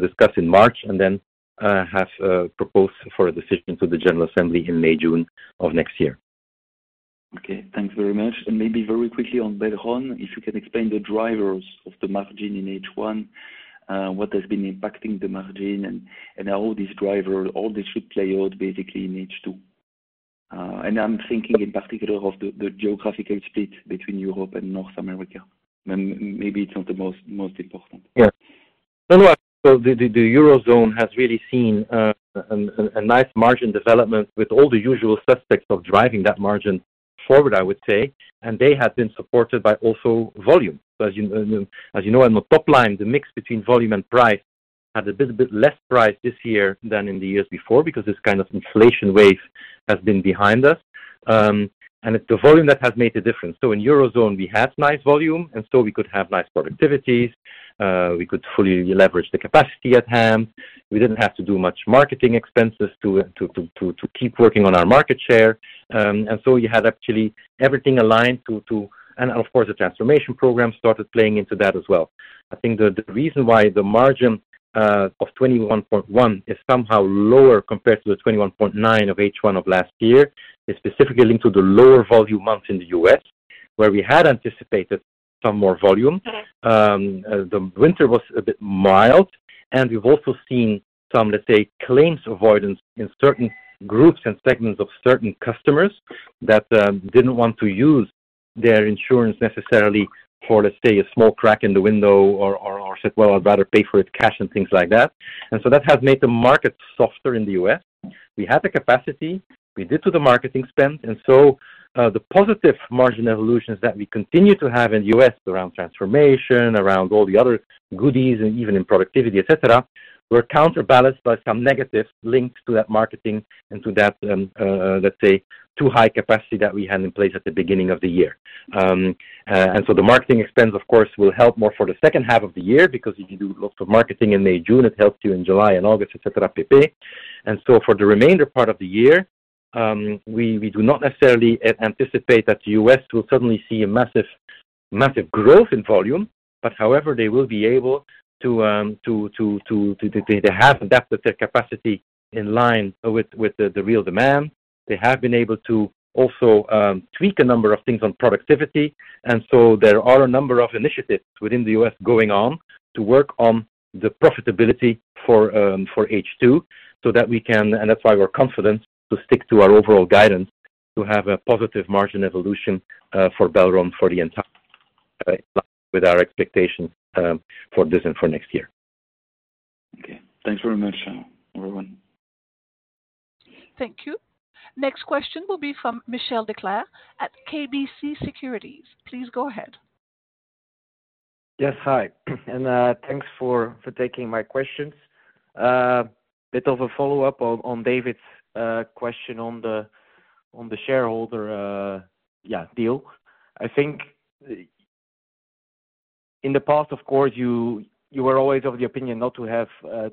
discuss in March and then have proposed for a decision to the General Assembly in May, June of next year. Okay. Thanks very much. And maybe very quickly on Belron, if you can explain the drivers of the margin in H1, what has been impacting the margin and how this driver, how this should play out basically in H2? And I'm thinking in particular of the geographical split between Europe and North America, and maybe it's not the most important. Yeah. So the Eurozone has really seen a nice margin development with all the usual suspects of driving that margin forward, I would say, and they have been supported by also volume. As you know, on the top line, the mix between volume and price has a bit less price this year than in the years before, because this kind of inflation wave has been behind us. And it's the volume that has made a difference. So in Eurozone, we had nice volume, and so we could have nice productivities, we could fully leverage the capacity at hand. We didn't have to do much marketing expenses to keep working on our market share. And so you had actually everything aligned to and of course, the transformation program started playing into that as well. I think the reason why the margin of 21.1% is somehow lower compared to the 21.9% of H1 of last year is specifically linked to the lower volume months in the U.S., where we had anticipated some more volume. The winter was a bit mild, and we've also seen some, let's say, claims avoidance in certain groups and segments of certain customers that didn't want to use their insurance necessarily for, let's say, a small crack in the window or said, "Well, I'd rather pay for it cash," and things like that. And so that has made the market softer in the U.S. We had the capacity. We added to the marketing spend, and so the positive margin evolutions that we continue to have in U.S. around transformation, around all the other goodies and even in productivity, etc., were counterbalanced by some negatives linked to that marketing and to that, let's say, too high capacity that we had in place at the beginning of the year. And so the marketing expense, of course, will help more for the second half of the year, because if you do lots of marketing in May, June, it helps you in July and August, etc. And so for the remainder part of the year, we do not necessarily anticipate that the will suddenly see a massive growth in volume, but however, they will be able to. They have adapted their capacity in line with the real demand. They have been able to also tweak a number of things on productivity. And so there are a number of initiatives within the going on to work on the profitability for H2, so that we can. And that's why we're confident to stick to our overall guidance to have a positive margin evolution for Belron for the entire, with our expectations for this and for next year. Okay. Thanks very much, everyone. Thank you. Next question will be from Michiel Declercq at KBC Securities. Please go ahead. Yes, hi, and thanks for taking my questions. Bit of a follow-up on David's question on the shareholder deal. I think in the past, of course, you were always of the opinion not to have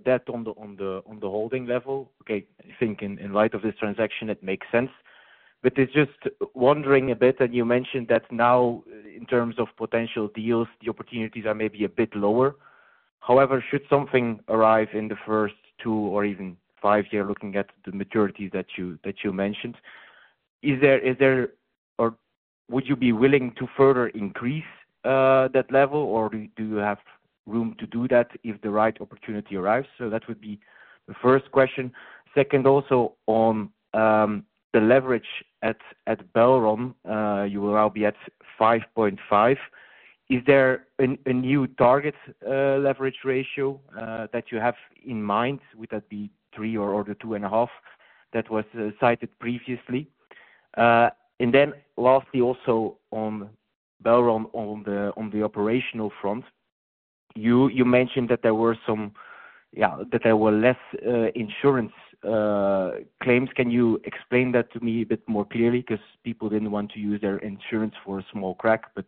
debt on the holding level. Okay, I think in light of this transaction, it makes sense. But it's just wondering a bit, and you mentioned that now, in terms of potential deals, the opportunities are maybe a bit lower. However, should something arrive in the first two or even five year, looking at the maturity that you mentioned, is there, or would you be willing to further increase that level, or do you have room to do that if the right opportunity arrives? So that would be the first question. Second, also on the leverage at Belron, you will now be at five point five. Is there a new target leverage ratio that you have in mind? Would that be three or around two and a half, that was cited previously, and then lastly, also on Belron, on the operational front, you mentioned that there were less insurance claims. Can you explain that to me a bit more clearly? Because people didn't want to use their insurance for a small crack, but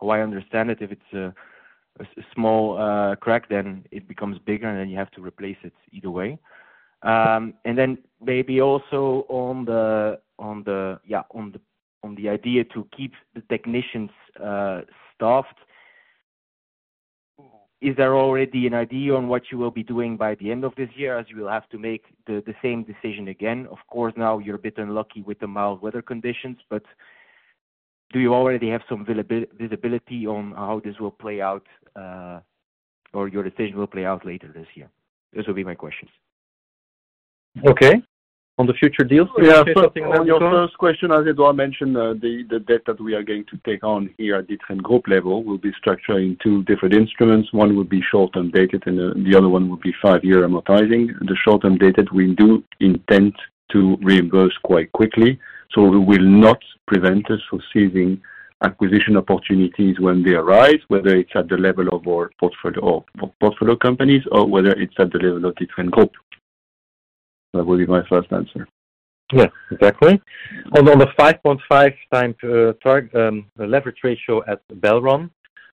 how I understand it, if it's a small crack, then it becomes bigger, and then you have to replace it either way, and then maybe also on the idea to keep the technicians staffed. Is there already an idea on what you will be doing by the end of this year, as you will have to make the same decision again? Of course, now you're a bit unlucky with the mild weather conditions, but do you already have some visibility on how this will play out, or your decision will play out later this year? Those will be my questions. Okay. On the future deals? Yeah. On your first question, as Édouard mentioned, the debt that we are going to take on here at D'Ieteren Group level will be structuring two different instruments. One would be short-term dated, and the other one would be five-year amortizing. The short-term dated, we do intend to reimburse quite quickly, so we will not prevent us from seizing acquisition opportunities when they arise, whether it's at the level of our portfolio or portfolio companies or whether it's at the level of D'Ieteren Group. That would be my first answer. Yeah, exactly. Although the five point five times target leverage ratio at Belron,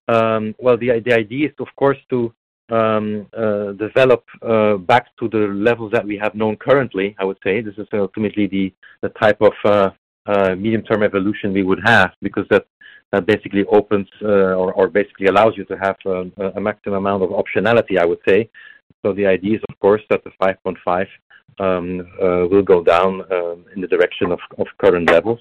well, the idea is of course to develop back to the level that we have known currently, I would say. This is ultimately the type of medium-term evolution we would have, because that basically opens or basically allows you to have a maximum amount of optionality, I would say. So the idea is, of course, that the five point five will go down in the direction of current levels.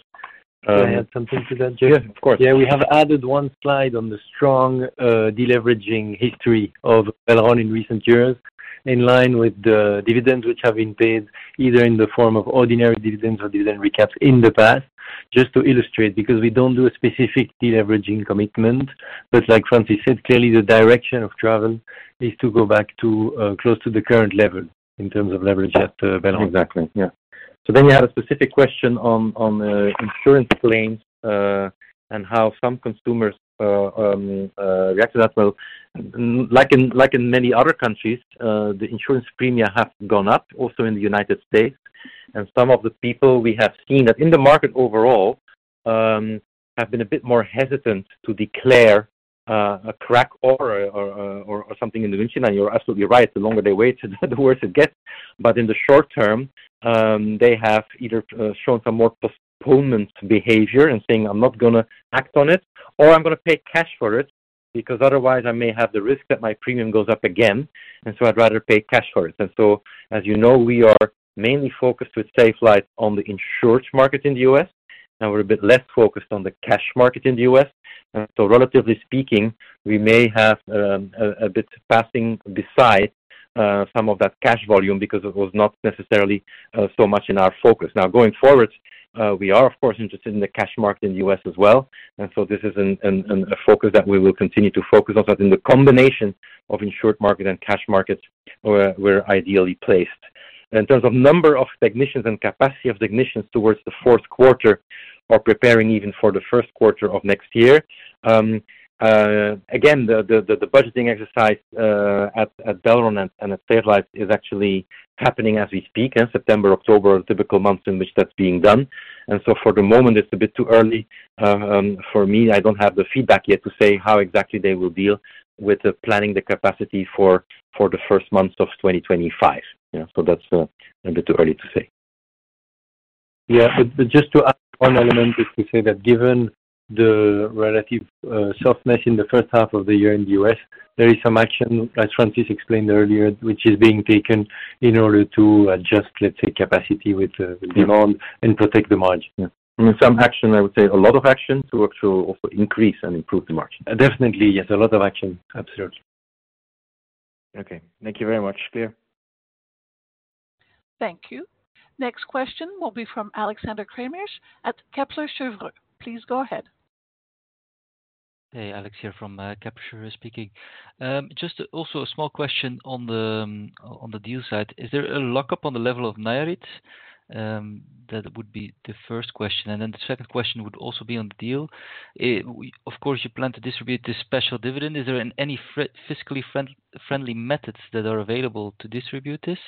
Can I add something to that, James? Yeah, of course. Yeah, we have added one slide on the strong deleveraging history of Belron in recent years, in line with the dividends which have been paid, either in the form of ordinary dividends or dividend recaps in the past. Just to illustrate, because we don't do a specific deleveraging commitment, but like Francis said, clearly the direction of travel is to go back to close to the current level in terms of leverage at Belron. Exactly, yeah. So then you had a specific question on insurance claims, and how some consumers reacted as well. Like in many other countries, the insurance premia have gone up, also in the United States, and some of the people we have seen that in the market overall have been a bit more hesitant to declare a crack or something in the windshield, and you're absolutely right, the longer they wait, the worse it gets. But in the short term, they have either shown some more postponement behavior and saying, "I'm not gonna act on it," or, "I'm gonna pay cash for it, because otherwise I may have the risk that my premium goes up again, and so I'd rather pay cash for it." And so, as you know, we are mainly focused with Safelite on the insured market in the U.S., and we're a bit less focused on the cash market in the. So relatively speaking, we may have a bit passing beside some of that cash volume because it was not necessarily so much in our focus. Now, going forward, we are, of course, interested in the cash market in the as well. And so this is a focus that we will continue to focus on, but in the combination of insured market and cash markets, we're ideally placed. In terms of number of technicians and capacity of technicians towards the fourth quarter or preparing even for the first quarter of next year, again, the budgeting exercise at Belron and at Safelite is actually happening as we speak, in September, October, typical months in which that's being done. And so for the moment, it's a bit too early for me. I don't have the feedback yet to say how exactly they will deal with the planning the capacity for the first months of 2025. Yeah, so that's a bit too early to say. Yeah, but just to add one element is to say that given the relative softness in the first half of the year in the U.S., there is some action, as Francis explained earlier, which is being taken in order to adjust, let's say, capacity with the demand and protect the margin. Yeah. Some action, I would say a lot of action to actually increase and improve the margin. Definitely, yes, a lot of action. Absolutely.... Okay, thank you very much. Clear. Thank you. Next question will be from Alexander Craeymeersch at Kepler Cheuvreux. Please go ahead. Hey, Alex here from, Kepler Cheuvreux speaking. Just also a small question on the, on the deal side. Is there a lockup on the level of Nayarit? That would be the first question, and then the second question would also be on the deal. Of course, you plan to distribute this special dividend. Is there any fiscally friendly methods that are available to distribute this?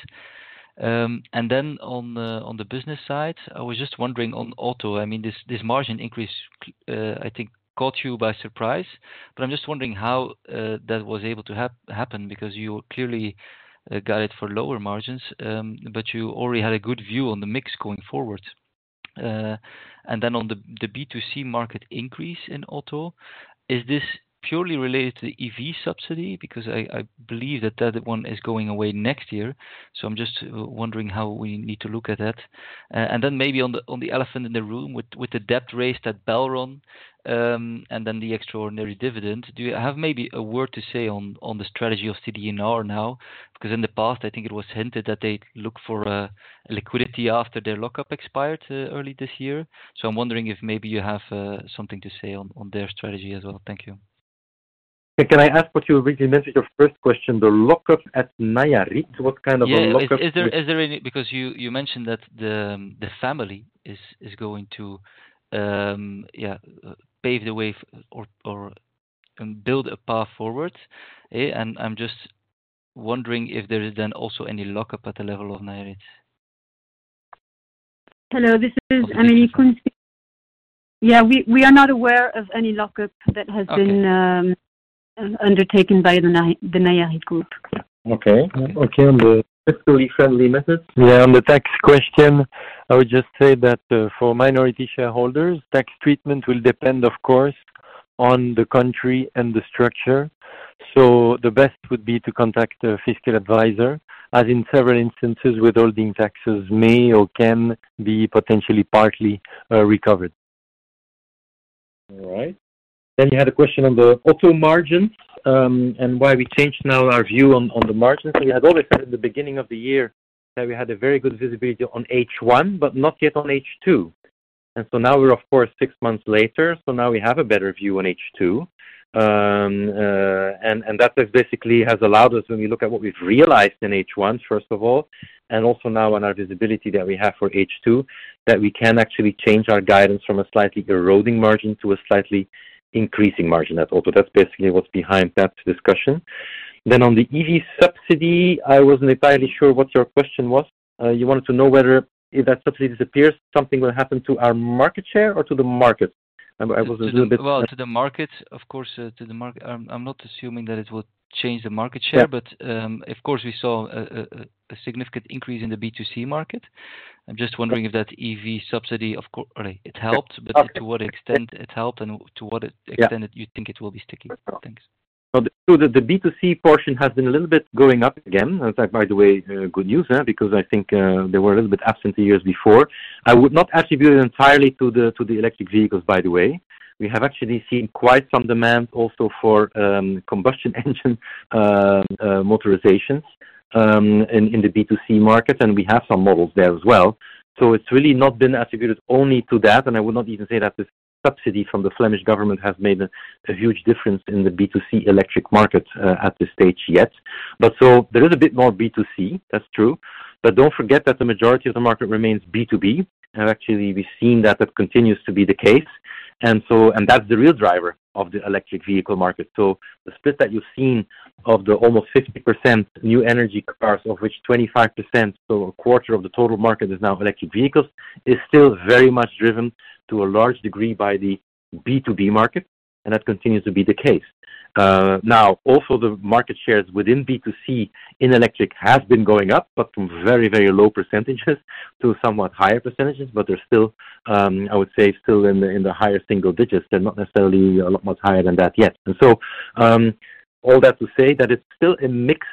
And then on the, on the business side, I was just wondering on auto, I mean, this, this margin increase, I think, caught you by surprise, but I'm just wondering how, that was able to happen, because you clearly, got it for lower margins, but you already had a good view on the mix going forward. And then on the B2C market increase in auto, is this purely related to the EV subsidy? Because I believe that one is going away next year, so I'm just wondering how we need to look at that. And then maybe on the elephant in the room, with the debt raised at Belron, and then the extraordinary dividend. Do you have maybe a word to say on the strategy of CD&R now? Because in the past, I think it was hinted that they look for liquidity after their lockup expired early this year. So I'm wondering if maybe you have something to say on their strategy as well. Thank you. Can I ask what you originally mentioned, your first question, the lockup at Nayarit? What kind of a lockup- Yeah. Is there any... Because you mentioned that the family is going to pave the way or and build a path forward. And I'm just wondering if there is then also any lockup at the level of Nayarit. Hello, this is Amélie Coens. Yeah, we are not aware of any lockup that has been- Okay. undertaken by the Nayarit group. Okay. Okay, on the fiscally friendly method? Yeah, on the tax question, I would just say that, for minority shareholders, tax treatment will depend, of course, on the country and the structure. So the best would be to contact a fiscal advisor, as in several instances, withholding taxes may or can be potentially partly, recovered. All right. Then you had a question on the auto margin, and why we changed now our view on the margins. We had always said at the beginning of the year that we had a very good visibility on H1, but not yet on H2. And so now we're of course six months later, so now we have a better view on H2. And that basically has allowed us, when we look at what we've realized in H1, first of all, and also now on our visibility that we have for H2, that we can actually change our guidance from a slightly eroding margin to a slightly increasing margin at auto. That's basically what's behind that discussion. Then on the EV subsidy, I wasn't entirely sure what your question was. You wanted to know whether if that subsidy disappears, something will happen to our market share or to the market? I was a little bit- To the market, of course, to the market. I'm not assuming that it will change the market share- Yeah. But, of course, we saw a significant increase in the B2C market. I'm just wondering if that EV subsidy, of course, it helped, but to what extent it helped and to what extent did you think it will be sticking? Thanks. So the B2C portion has been a little bit going up again. In fact, by the way, good news, huh? Because I think they were a little bit absent the years before. I would not attribute it entirely to the electric vehicles, by the way. We have actually seen quite some demand also for combustion engine motorizations in the B2C market, and we have some models there as well. So it's really not been attributed only to that, and I would not even say that the subsidy from the Flemish government has made a huge difference in the B2C electric market at this stage yet. But so there is a bit more B2C, that's true. But don't forget that the majority of the market remains B2B, and actually, we've seen that that continues to be the case. And so... And that's the real driver of the electric vehicle market. So the split that you've seen of the almost 50% new energy cars, of which 25%, so a quarter of the total market is now electric vehicles, is still very much driven to a large degree by the B2B market, and that continues to be the case. Now, also the market shares within B2C in electric has been going up, but from very, very low percentages to somewhat higher percentages, but they're still, I would say, still in the higher single digits. They're not necessarily a lot much higher than that yet. And so, all that to say that it's still a mixed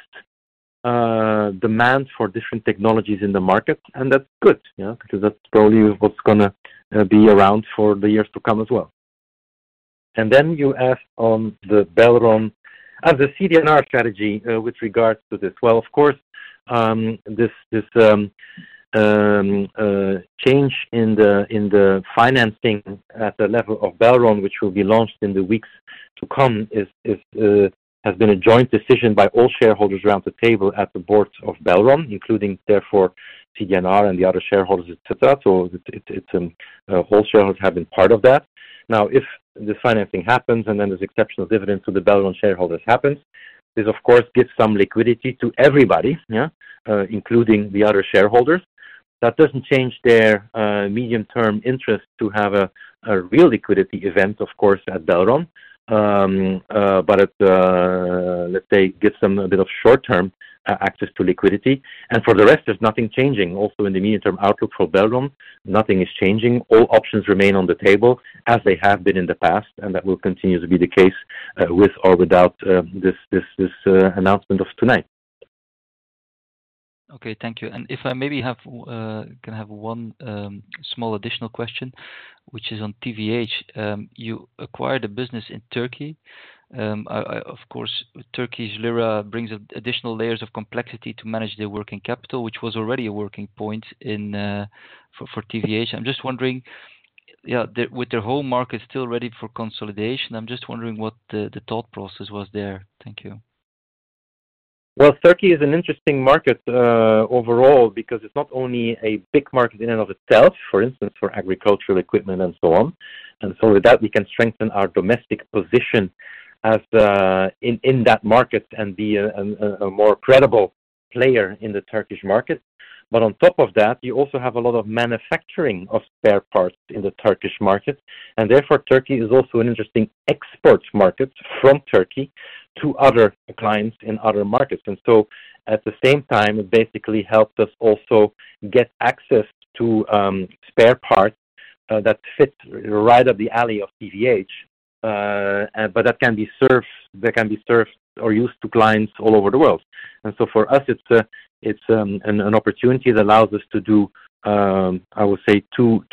demand for different technologies in the market, and that's good, you know, because that's probably what's gonna be around for the years to come as well. And then you asked on the Belron, the CD&R strategy, with regards to this. Well, of course, this change in the financing at the level of Belron, which will be launched in the weeks to come, has been a joint decision by all shareholders around the table at the board of Belron, including therefore, CD&R and the other shareholders, etc. So all shareholders have been part of that. Now, if the financing happens and then there's exceptional dividends to the Belron shareholders happens, this, of course, gives some liquidity to everybody, yeah, including the other shareholders. That doesn't change their medium-term interest to have a real liquidity event, of course, at Belron. But it, let's say, gives them a bit of short-term access to liquidity. For the rest, there's nothing changing. Also, in the medium-term outlook for Belron, nothing is changing. All options remain on the table as they have been in the past, and that will continue to be the case, with or without this announcement of tonight. ... Okay, thank you. And if I maybe have, can have one small additional question, which is on TVH. You acquired a business in Turkey. Of course, Turkey's lira brings additional layers of complexity to manage their working capital, which was already a working point in for TVH. I'm just wondering, yeah, with their whole market still ready for consolidation, I'm just wondering what the thought process was there. Thank you. Turkey is an interesting market, overall, because it's not only a big market in and of itself, for instance, for agricultural equipment and so on, and so with that, we can strengthen our domestic position as the in that market and be a more credible player in the Turkish market. But on top of that, you also have a lot of manufacturing of spare parts in the Turkish market, and therefore, Turkey is also an interesting export market from Turkey to other clients in other markets. And so at the same time, it basically helped us also get access to spare parts that fit right up the alley of TVH, but that can be served or used to clients all over the world. And so for us, it's an opportunity that allows us to do, I would say, two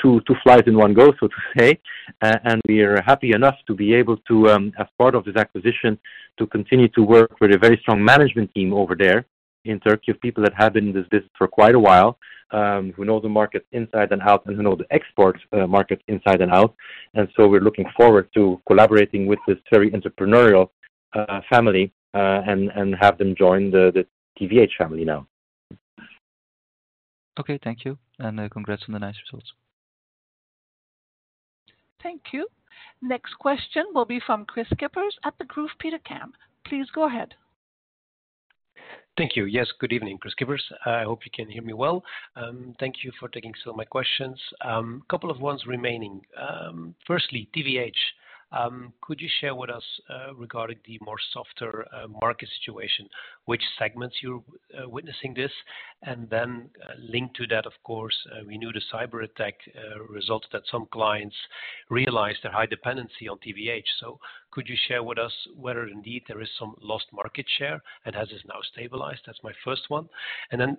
flies in one go, so to say. And we are happy enough to be able to, as part of this acquisition, to continue to work with a very strong management team over there in Turkey, of people that have been in this business for quite a while, who know the market inside and out, and who know the export market inside and out. And so we're looking forward to collaborating with this very entrepreneurial family, and have them join the TVH family now. Okay, thank you. And, congrats on the nice results. Thank you. Next question will be from Kris Kippers at Degroof Petercam. Please go ahead. Thank you. Yes, good evening, Kris Kippers. I hope you can hear me well. Thank you for taking some of my questions. Couple of ones remaining. Firstly, TVH. Could you share with us, regarding the more softer, market situation, which segments you're witnessing this? And then linked to that, of course, we knew the cyberattack, results that some clients realized a high dependency on TVH. So could you share with us whether indeed there is some lost market share, and has this now stabilized? That's my first one. And then,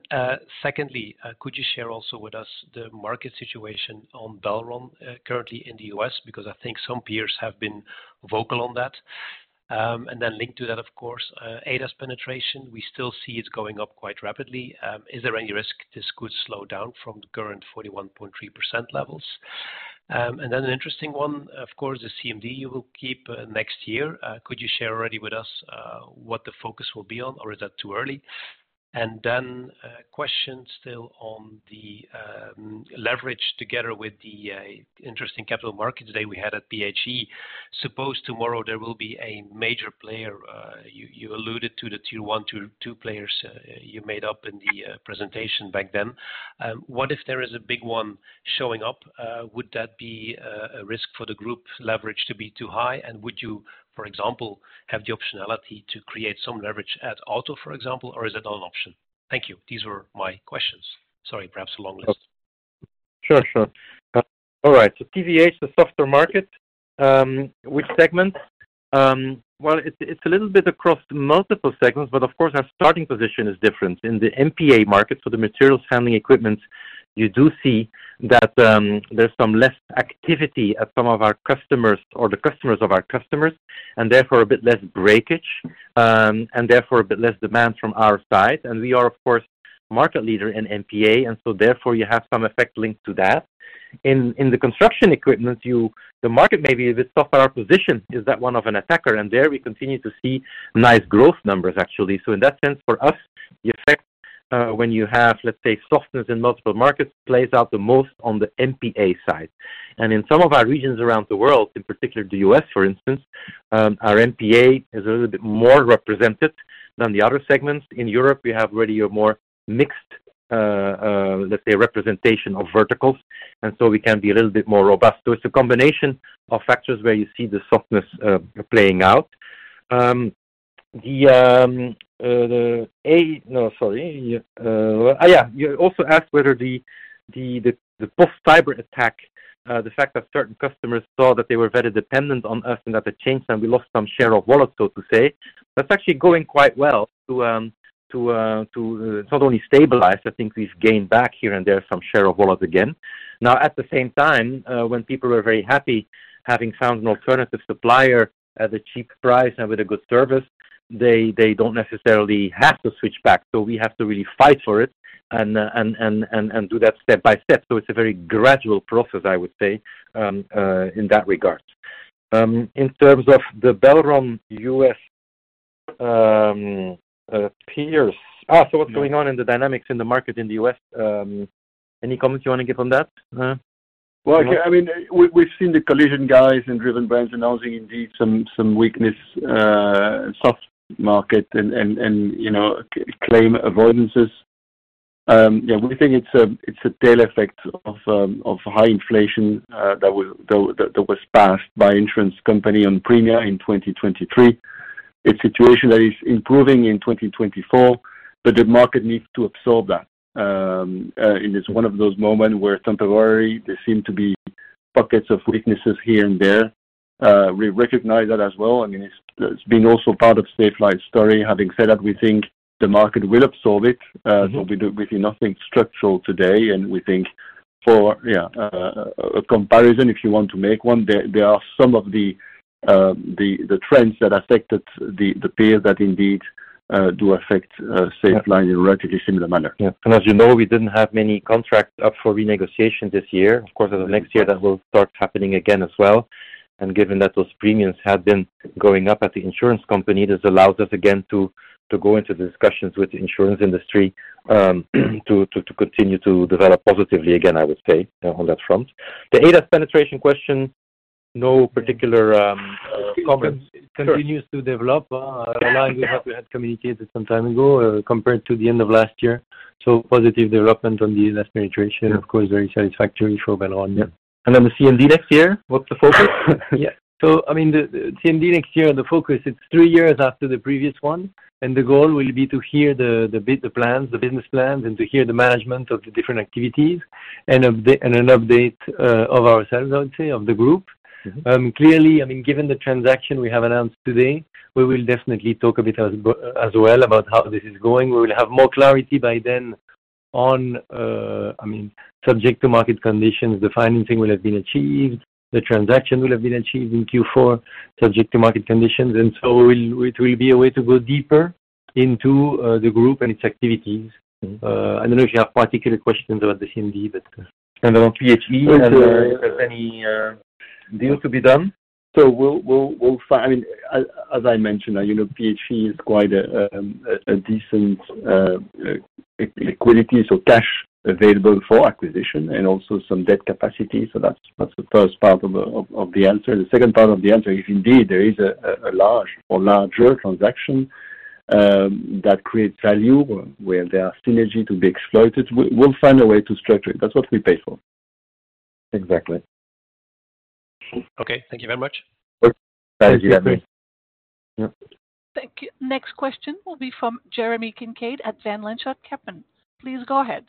secondly, could you share also with us the market situation on Belron, currently in the? Because I think some peers have been vocal on that. And then linked to that, of course, ADAS penetration, we still see it's going up quite rapidly. Is there any risk this could slow down from the current 41.3% levels? And then an interesting one, of course, the CMD you will keep next year. Could you share already with us what the focus will be on, or is that too early? And then questions still on the leverage together with the interesting capital market today we had at PHE. Suppose tomorrow there will be a major player you alluded to the tier one, tier two players you made up in the presentation back then. What if there is a big one showing up? Would that be a risk for the group leverage to be too high? And would you, for example, have the optionality to create some leverage at Auto, for example, or is that not an option? Thank you. These were my questions. Sorry, perhaps a long list. Sure, sure. All right, so TVH, the softer market, which segment? Well, it's a little bit across multiple segments, but of course our starting position is different. In the MPA market, so the materials handling equipment, you do see that there's some less activity at some of our customers or the customers of our customers, and therefore a bit less breakage, and therefore a bit less demand from our side. And we are, of course, market leader in MPA, and so therefore, you have some effect linked to that. In the construction equipment, the market may be a bit softer. Our position is that one of an attacker, and there we continue to see nice growth numbers, actually. So in that sense, for us, the effect, when you have, let's say, softness in multiple markets, plays out the most on the MPA side. And in some of our regions around the world, in particular the, for instance, our MPA is a little bit more represented than the other segments. In Europe, we have already a more mixed, let's say, representation of verticals, and so we can be a little bit more robust. So it's a combination of factors where you see the softness playing out. Yeah, you also asked whether the post-cyberattack, the fact that certain customers saw that they were very dependent on us and that it changed and we lost some share of wallet, so to say. That's actually going quite well to not only stabilize. I think we've gained back here and there some share of wallet again. Now, at the same time, when people are very happy, having found an alternative supplier at a cheap price and with a good service, they don't necessarily have to switch back. So we have to really fight for it and do that step by step. So it's a very gradual process, I would say, in that regard. In terms of the Belron U.S. peers. Ah, so what's going on in the dynamics in the market in the? Any comments you want to give on that? I mean, we've seen the collision guys and Driven Brands announcing indeed some weakness, soft market and you know, claim avoidances. Yeah, we think it's a tail effect of high inflation that was passed by insurance company on premium in 2023. A situation that is improving in 2024, but the market needs to absorb that. It's one of those moments where temporarily there seem to be pockets of weaknesses here and there. ... We recognize that as well. I mean, it's been also part of Safelite's story. Having said that, we think the market will absorb it. So we see nothing structural today, and we think for a comparison, if you want to make one, there are some of the trends that affected the peer that indeed do affect Safelite in a relatively similar manner. Yeah. And as you know, we didn't have many contracts up for renegotiation this year. Of course, in the next year, that will start happening again as well. And given that those premiums have been going up at the insurance company, this allows us again to go into the discussions with the insurance industry, to continue to develop positively again, I would say, on that front. The ADAS penetration question, no particular comments. Continues to develop, like we have had communicated some time ago, compared to the end of last year. So positive development on the ADAS penetration, of course, very satisfactory for Belron. Yeah. And then the CMD next year, what's the focus? Yeah. So I mean, the CMD next year, the focus, it's three years after the previous one, and the goal will be to hear the plans, the business plans, and to hear the management of the different activities, and an update of ourselves, I would say, of the group. Clearly, I mean, given the transaction we have announced today, we will definitely talk a bit as well about how this is going. We will have more clarity by then on, I mean, subject to market conditions, the financing will have been achieved, the transaction will have been achieved in Q4, subject to market conditions. And so it will be a way to go deeper into the group and its activities. I don't know if you have particular questions about the CMD, but. On PHE, if there's any deals to be done? We'll I mean, as I mentioned, you know, PHE is quite a decent liquidity, so cash available for acquisition and also some debt capacity. That's the first part of the answer. The second part of the answer is, indeed, there is a large or larger transaction that creates value where there are synergy to be exploited. We'll find a way to structure it. That's what we pay for. Exactly. Okay, thank you very much. Thank you. Yeah. Thank you. Next question will be from Jeremy Kincaid at Van Lanschot Kempen. Please go ahead.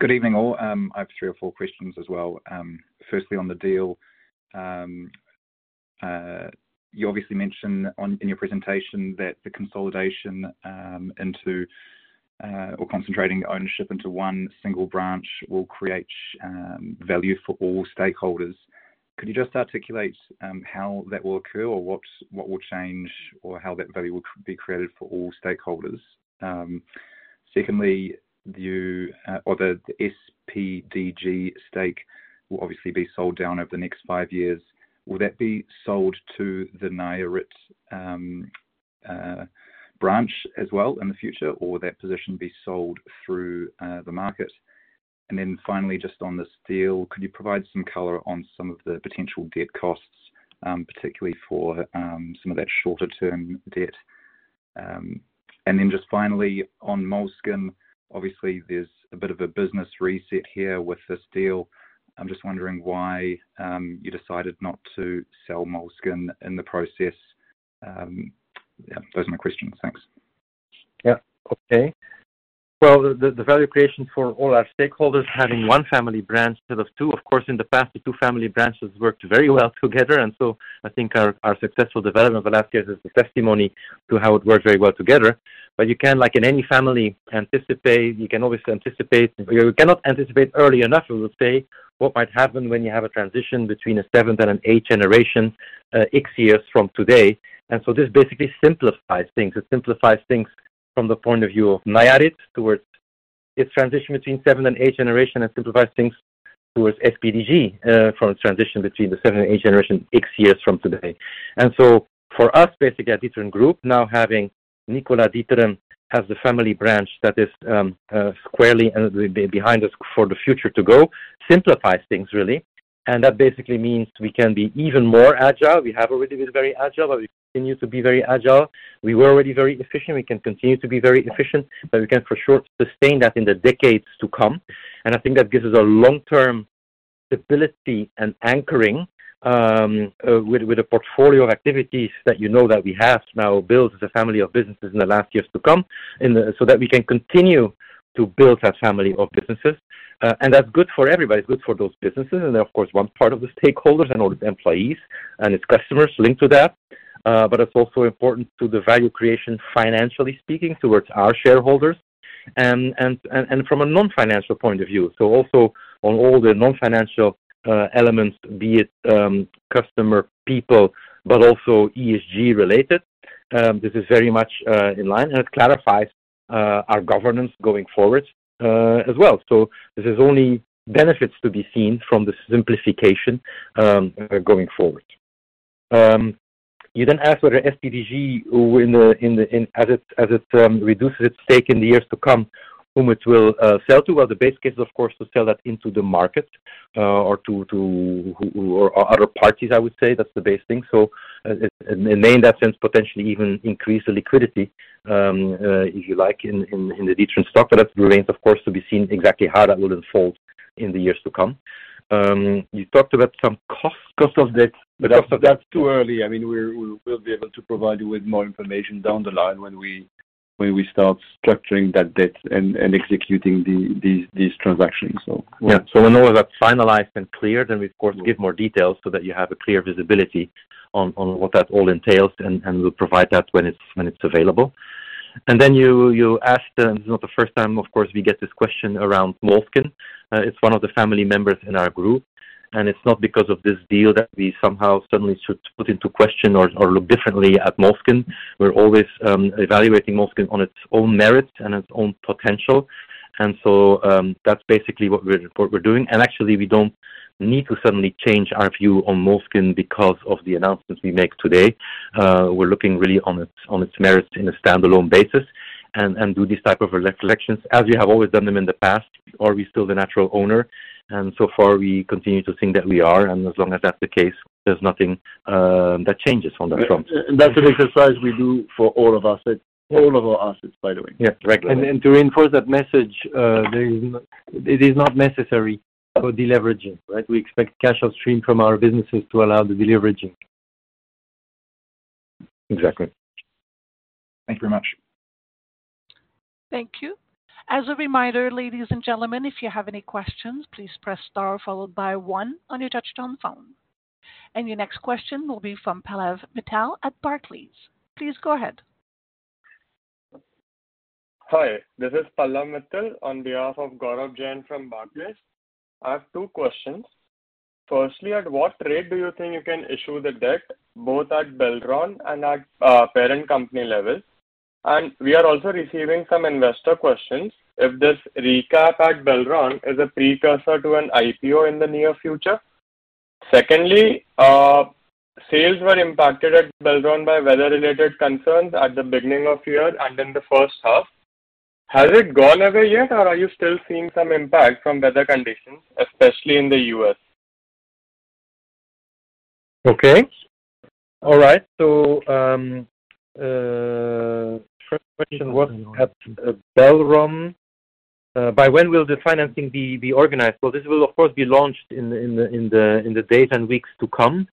Good evening, all. I have three or four questions as well. Firstly, on the deal, you obviously mentioned on, in your presentation that the consolidation, into, or concentrating ownership into one single branch will create, value for all stakeholders. Could you just articulate, how that will occur, or what, what will change, or how that value will be created for all stakeholders? Secondly, do you, or the SPDG stake will obviously be sold down over the next five years. Will that be sold to the Nayarit, branch as well in the future, or will that position be sold through, the market? And then finally, just on this deal, could you provide some color on some of the potential debt costs, particularly for, some of that shorter term debt? And then just finally, on Moleskine, obviously, there's a bit of a business reset here with this deal. I'm just wondering why you decided not to sell Moleskine in the process. Yeah, those are my questions. Thanks. Yeah. Okay. Well, the value creation for all our stakeholders, having one family branch instead of two. Of course, in the past, the two family branches worked very well together, and so I think our successful development of the last years is a testimony to how it worked very well together. But you can, like in any family, anticipate, you can always anticipate... You cannot anticipate early enough, we would say, what might happen when you have a transition between a seventh and an eighth generation, X years from today. And so this basically simplifies things. It simplifies things from the point of view of Nayarit towards its transition between seventh and eighth generation, and simplifies things towards SPDG, from transition between the seventh and eighth generation, X years from today. And so for us, basically at D'Ieteren Group, now having Nicolas D'Ieteren as the family branch that is squarely behind us for the future to go, simplifies things really. And that basically means we can be even more agile. We have already been very agile, but we continue to be very agile. We were already very efficient, we can continue to be very efficient, but we can for sure sustain that in the decades to come. And I think that gives us a long-term stability and anchoring with a portfolio of activities that you know that we have now built as a family of businesses in the last years to come. So that we can continue to build that family of businesses. And that's good for everybody, good for those businesses, and of course, one part of the stakeholders and all the employees and its customers linked to that. But it's also important to the value creation, financially speaking, towards our shareholders, and from a non-financial point of view. So also on all the non-financial elements, be it customer, people, but also ESG related, this is very much in line, and it clarifies our governance going forward, as well. So this is only benefits to be seen from the simplification going forward. You then ask whether SPDG, as it reduces its stake in the years to come, whom it will sell to? The base case, of course, to sell that into the market, or to other parties, I would say, that's the base thing. So, it may, in that sense, potentially even increase the liquidity, if you like, in the D'Ieteren stock, but that remains, of course, to be seen exactly how that will unfold in the years to come. You talked about some costs, cost of debt. But that's too early. I mean, we'll be able to provide you with more information down the line when we start structuring that debt and executing these transactions, so- Yeah. So when all of that's finalized and cleared, then we, of course, give more details so that you have a clear visibility on what that all entails, and we'll provide that when it's available. And then you asked, and it's not the first time, of course, we get this question around Moleskine. It's one of the family members in our group, and it's not because of this deal that we somehow suddenly start to put into question or look differently at Moleskine. We're always evaluating Moleskine on its own merits and its own potential. And so, that's basically what we're doing. And actually, we don't need to suddenly change our view on Moleskine because of the announcements we make today. We're looking really on its merits in a standalone basis, and do this type of recollections as we have always done them in the past. Are we still the natural owner? And so far, we continue to think that we are, and as long as that's the case, there's nothing that changes on that front. That's an exercise we do for all of our assets, by the way. Yeah, right. And to reinforce that message, it is not necessary for deleveraging, right? We expect cash flow stream from our businesses to allow the deleveraging. Exactly. Thank you very much. Thank you. As a reminder, ladies and gentlemen, if you have any questions, please press star followed by one on your touchtone phone. And your next question will be from Pallav Mittal at Barclays. Please go ahead. Hi, this is Pallav Mittal on behalf of Gaurav Jain from Barclays. I have two questions. Firstly, at what rate do you think you can issue the debt, both at Belron and at parent company level? And we are also receiving some investor questions, if this recap at Belron is a precursor to an IPO in the near future. Secondly, sales were impacted at Belron by weather-related concerns at the beginning of the year and in the first half. Has it gone away yet, or are you still seeing some impact from weather conditions, especially in the U.S.? Okay. All right, so, first question was at Belron, by when will the financing be organized? So this will, of course, be launched in the days and weeks to come.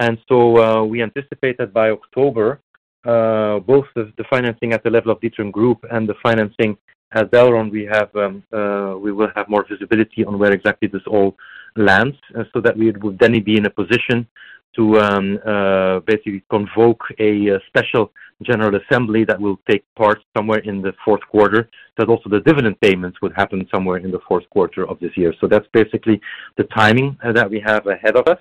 And so, we anticipate that by October, both the financing at the level of D'Ieteren Group and the financing at Belron, we will have more visibility on where exactly this all lands, so that we would then be in a position to, basically convoke a special general assembly that will take part somewhere in the fourth quarter, but also the dividend payments would happen somewhere in the fourth quarter of this year. So that's basically the timing that we have ahead of us.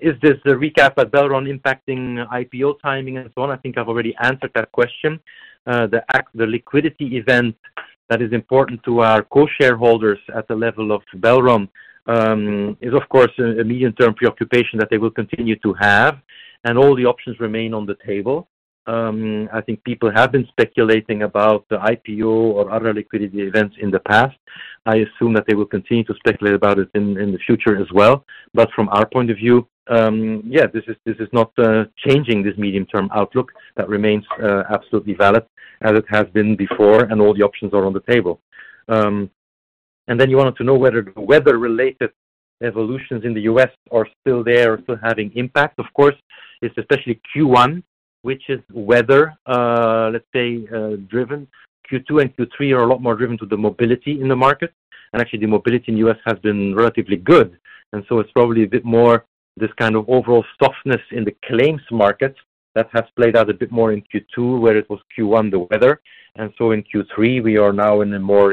Is this the recap at Belron impacting IPO timing and so on? I think I've already answered that question. The fact, the liquidity event that is important to our co-shareholders at the level of Belron, is of course a medium-term preoccupation that they will continue to have, and all the options remain on the table. I think people have been speculating about the IPO or other liquidity events in the past. I assume that they will continue to speculate about it in the future as well. But from our point of view, yeah, this is not changing this medium-term outlook. That remains absolutely valid as it has been before, and all the options are on the table. And then you wanted to know whether weather-related evolutions in the U.S. are still there, still having impact. Of course, it's especially Q1, which is weather, let's say, driven. Q2 and Q3 are a lot more driven to the mobility in the market, and actually, the mobility in the has been relatively good. So it's probably a bit more this kind of overall softness in the claims market that has played out a bit more in Q2, where it was Q1, the weather. In Q3, we are now in a more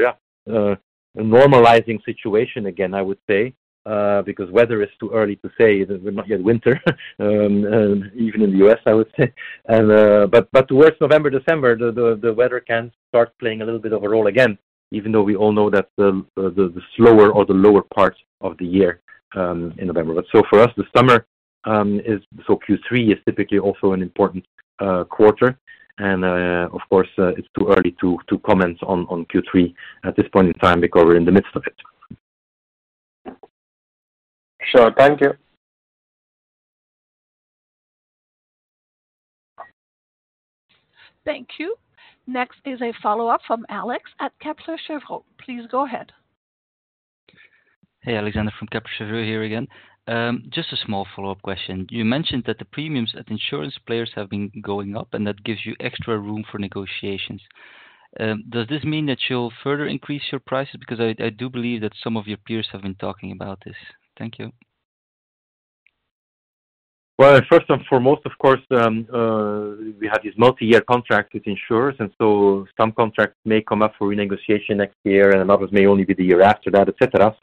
normalizing situation again, I would say, because the weather is too early to say. We might get winter even in the, I would say. But towards November, December, the weather can start playing a little bit of a role again, even though we all know that the slower or the lower parts of the year in November. So for us, the summer is... Q3 is typically also an important quarter. Of course, it's too early to comment on Q3 at this point in time because we're in the midst of it. Sure. Thank you. Thank you. Next is a follow-up from Alex at Kepler Cheuvreux. Please go ahead. Hey, Alexander from Kepler Cheuvreux here again. Just a small follow-up question. You mentioned that the premiums at insurance players have been going up, and that gives you extra room for negotiations. Does this mean that you'll further increase your prices? Because I, I do believe that some of your peers have been talking about this. Thank you. First and foremost, of course, we have these multi-year contracts with insurers, and so some contracts may come up for renegotiation next year, and others may only be the year after that, et cetera.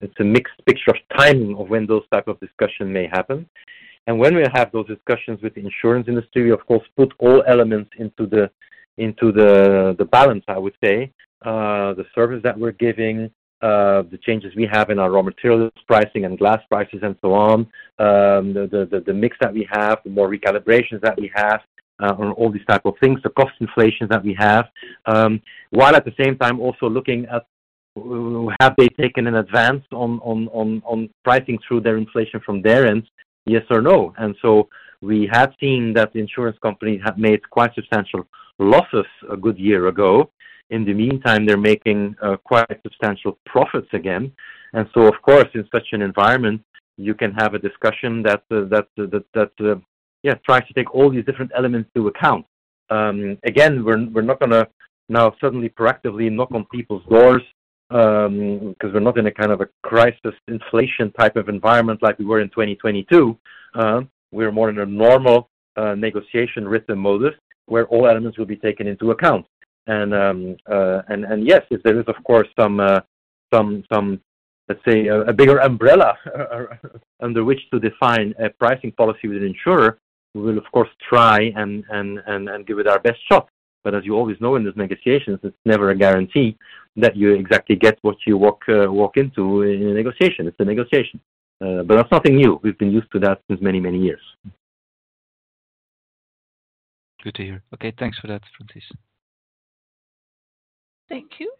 It's a mixed picture of timing of when those type of discussion may happen. When we have those discussions with the insurance industry, we, of course, put all elements into the balance, I would say. The service that we're giving, the changes we have in our raw materials pricing and glass prices, and so on. The mix that we have, the more recalibrations that we have, on all these type of things, the cost inflation that we have. While at the same time also looking at have they taken an advance on pricing through their inflation from their end, yes or no? And so we have seen that the insurance companies have made quite substantial losses a good year ago. In the meantime, they're making quite substantial profits again. And so, of course, in such an environment, you can have a discussion that yes, tries to take all these different elements into account. Again, we're not gonna now suddenly proactively knock on people's doors, 'cause we're not in a kind of a crisis inflation type of environment like we were in 2022. We're more in a normal negotiation rhythm modus, where all elements will be taken into account. Yes, if there is, of course, some, let's say, a bigger umbrella under which to define a pricing policy with an insurer, we will of course try and give it our best shot. But as you always know, in those negotiations, it's never a guarantee that you exactly get what you walk into in a negotiation. It's a negotiation. But that's nothing new. We've been used to that since many, many years. Good to hear. Okay, thanks for that, Francis. Thank you,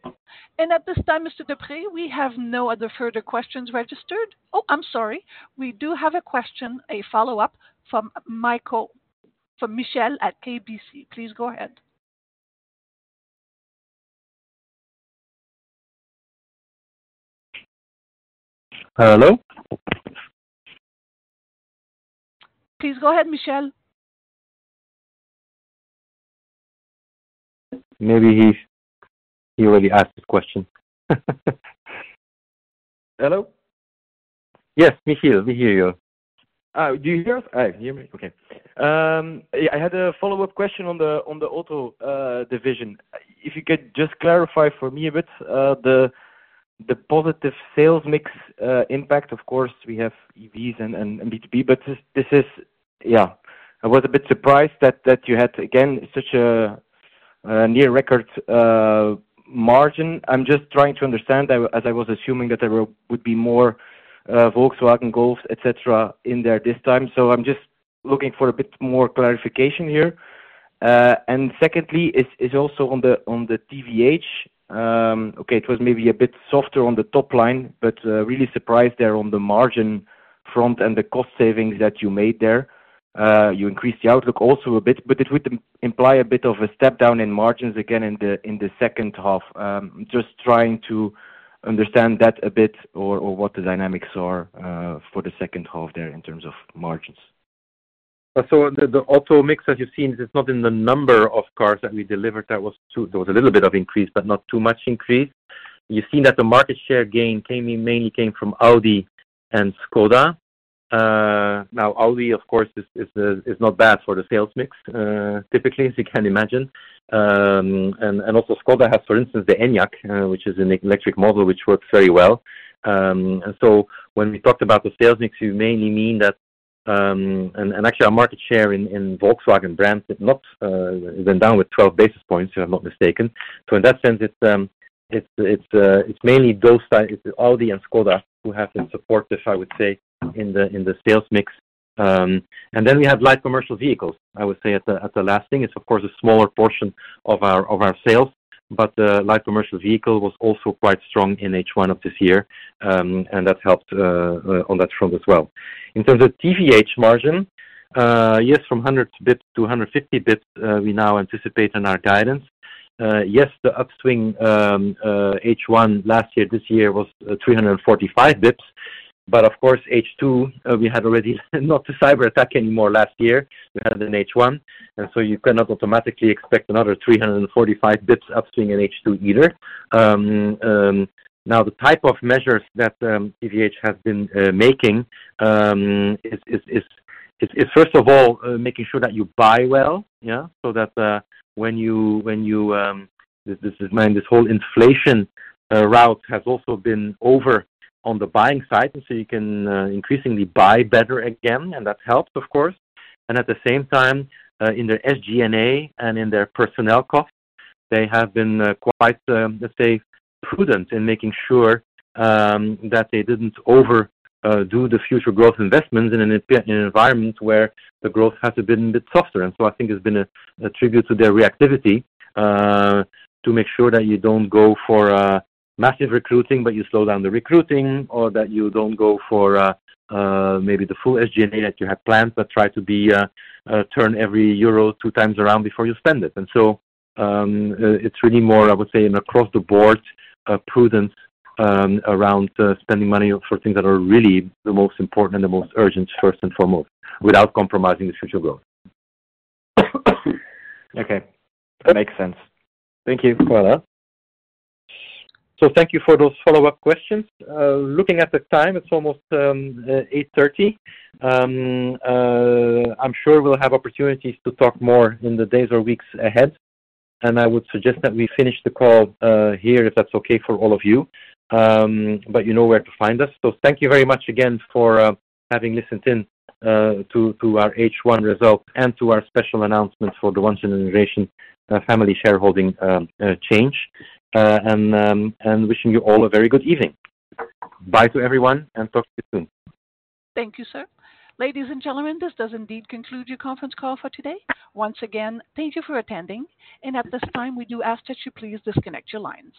and at this time, Mr. Deprez, we have no other further questions registered. Oh, I'm sorry. We do have a question, a follow-up from Michiel Declercq at KBC. Please go ahead. Hello? Please go ahead, Michiel. Maybe he already asked his question. Hello? Yes, Michiel, we hear you. Do you hear us? All right, you hear me, okay. I had a follow-up question on the auto division. If you could just clarify for me a bit, the positive sales mix impact. Of course, we have EVs and B2B, but this is... Yeah, I was a bit surprised that you had, again, such a near record margin. I'm just trying to understand, as I was assuming that there would be more Volkswagen Golf, et cetera, in there this time. So I'm just looking for a bit more clarification here. And secondly, is also on the TVH. Okay, it was maybe a bit softer on the top line, but really surprised there on the margin front and the cost savings that you made there. You increased the outlook also a bit, but it would imply a bit of a step down in margins again in the second half. Just trying to understand that a bit or what the dynamics are for the second half there in terms of margins. The auto mix, as you've seen, is it's not in the number of cars that we delivered. That was – there was a little bit of increase, but not too much increase. You've seen that the market share gain came in, mainly came from Audi and Škoda. Now, Audi, of course, is not bad for the sales mix, typically, as you can imagine. And also Škoda has, for instance, the Enyaq, which is an electric model, which works very well. And so when we talked about the sales mix, you mainly mean that. Actually, our market share in Volkswagen brands did not went down with twelve basis points, if I'm not mistaken. So in that sense, it's mainly those sides, it's Audi and Škoda who have been supportive, I would say, in the sales mix. And then we have light commercial vehicles, I would say, at the, as the last thing. It's of course a smaller portion of our sales, but light commercial vehicle was also quite strong in H1 of this year, and that helped on that front as well. In terms of TVH margin, yes, from 100 basis points to 150 basis points, we now anticipate in our guidance. Yes, the upswing, H1 last year, this year was 345 basis points. But of course, H2, we had already not a cyber attack anymore last year, we had it in H1, and so you cannot automatically expect another three hundred and forty-five basis points upswing in H2 either. Now, the type of measures that TVH has been making is first of all, making sure that you buy well, yeah? So that, when you, this whole inflation route has also been over on the buying side, and so you can increasingly buy better again, and that helps, of course. And at the same time, in their SG&A and in their personnel costs, they have been quite, let's say, prudent in making sure that they didn't overdo the future growth investments in an environment where the growth has been a bit softer. And so I think it's been a tribute to their reactivity to make sure that you don't go for massive recruiting, but you slow down the recruiting or that you don't go for maybe the full SG&A that you had planned, but try to be turn every euro two times around before you spend it. And so it's really more, I would say, an across-the-board prudence around spending money for things that are really the most important and the most urgent, first and foremost, without compromising the future growth. Okay, that makes sense. Thank you. Thank you for those follow-up questions. Looking at the time, it's almost 8:30 P.M. I'm sure we'll have opportunities to talk more in the days or weeks ahead, and I would suggest that we finish the call here, if that's okay for all of you. But you know where to find us. Thank you very much again for having listened in to our H1 results and to our special announcements for the D'leteren family shareholding change. And wishing you all a very good evening. Bye to everyone, and talk to you soon. Thank you, sir. Ladies and gentlemen, this does indeed conclude your conference call for today. Once again, thank you for attending, and at this time, we do ask that you please disconnect your lines.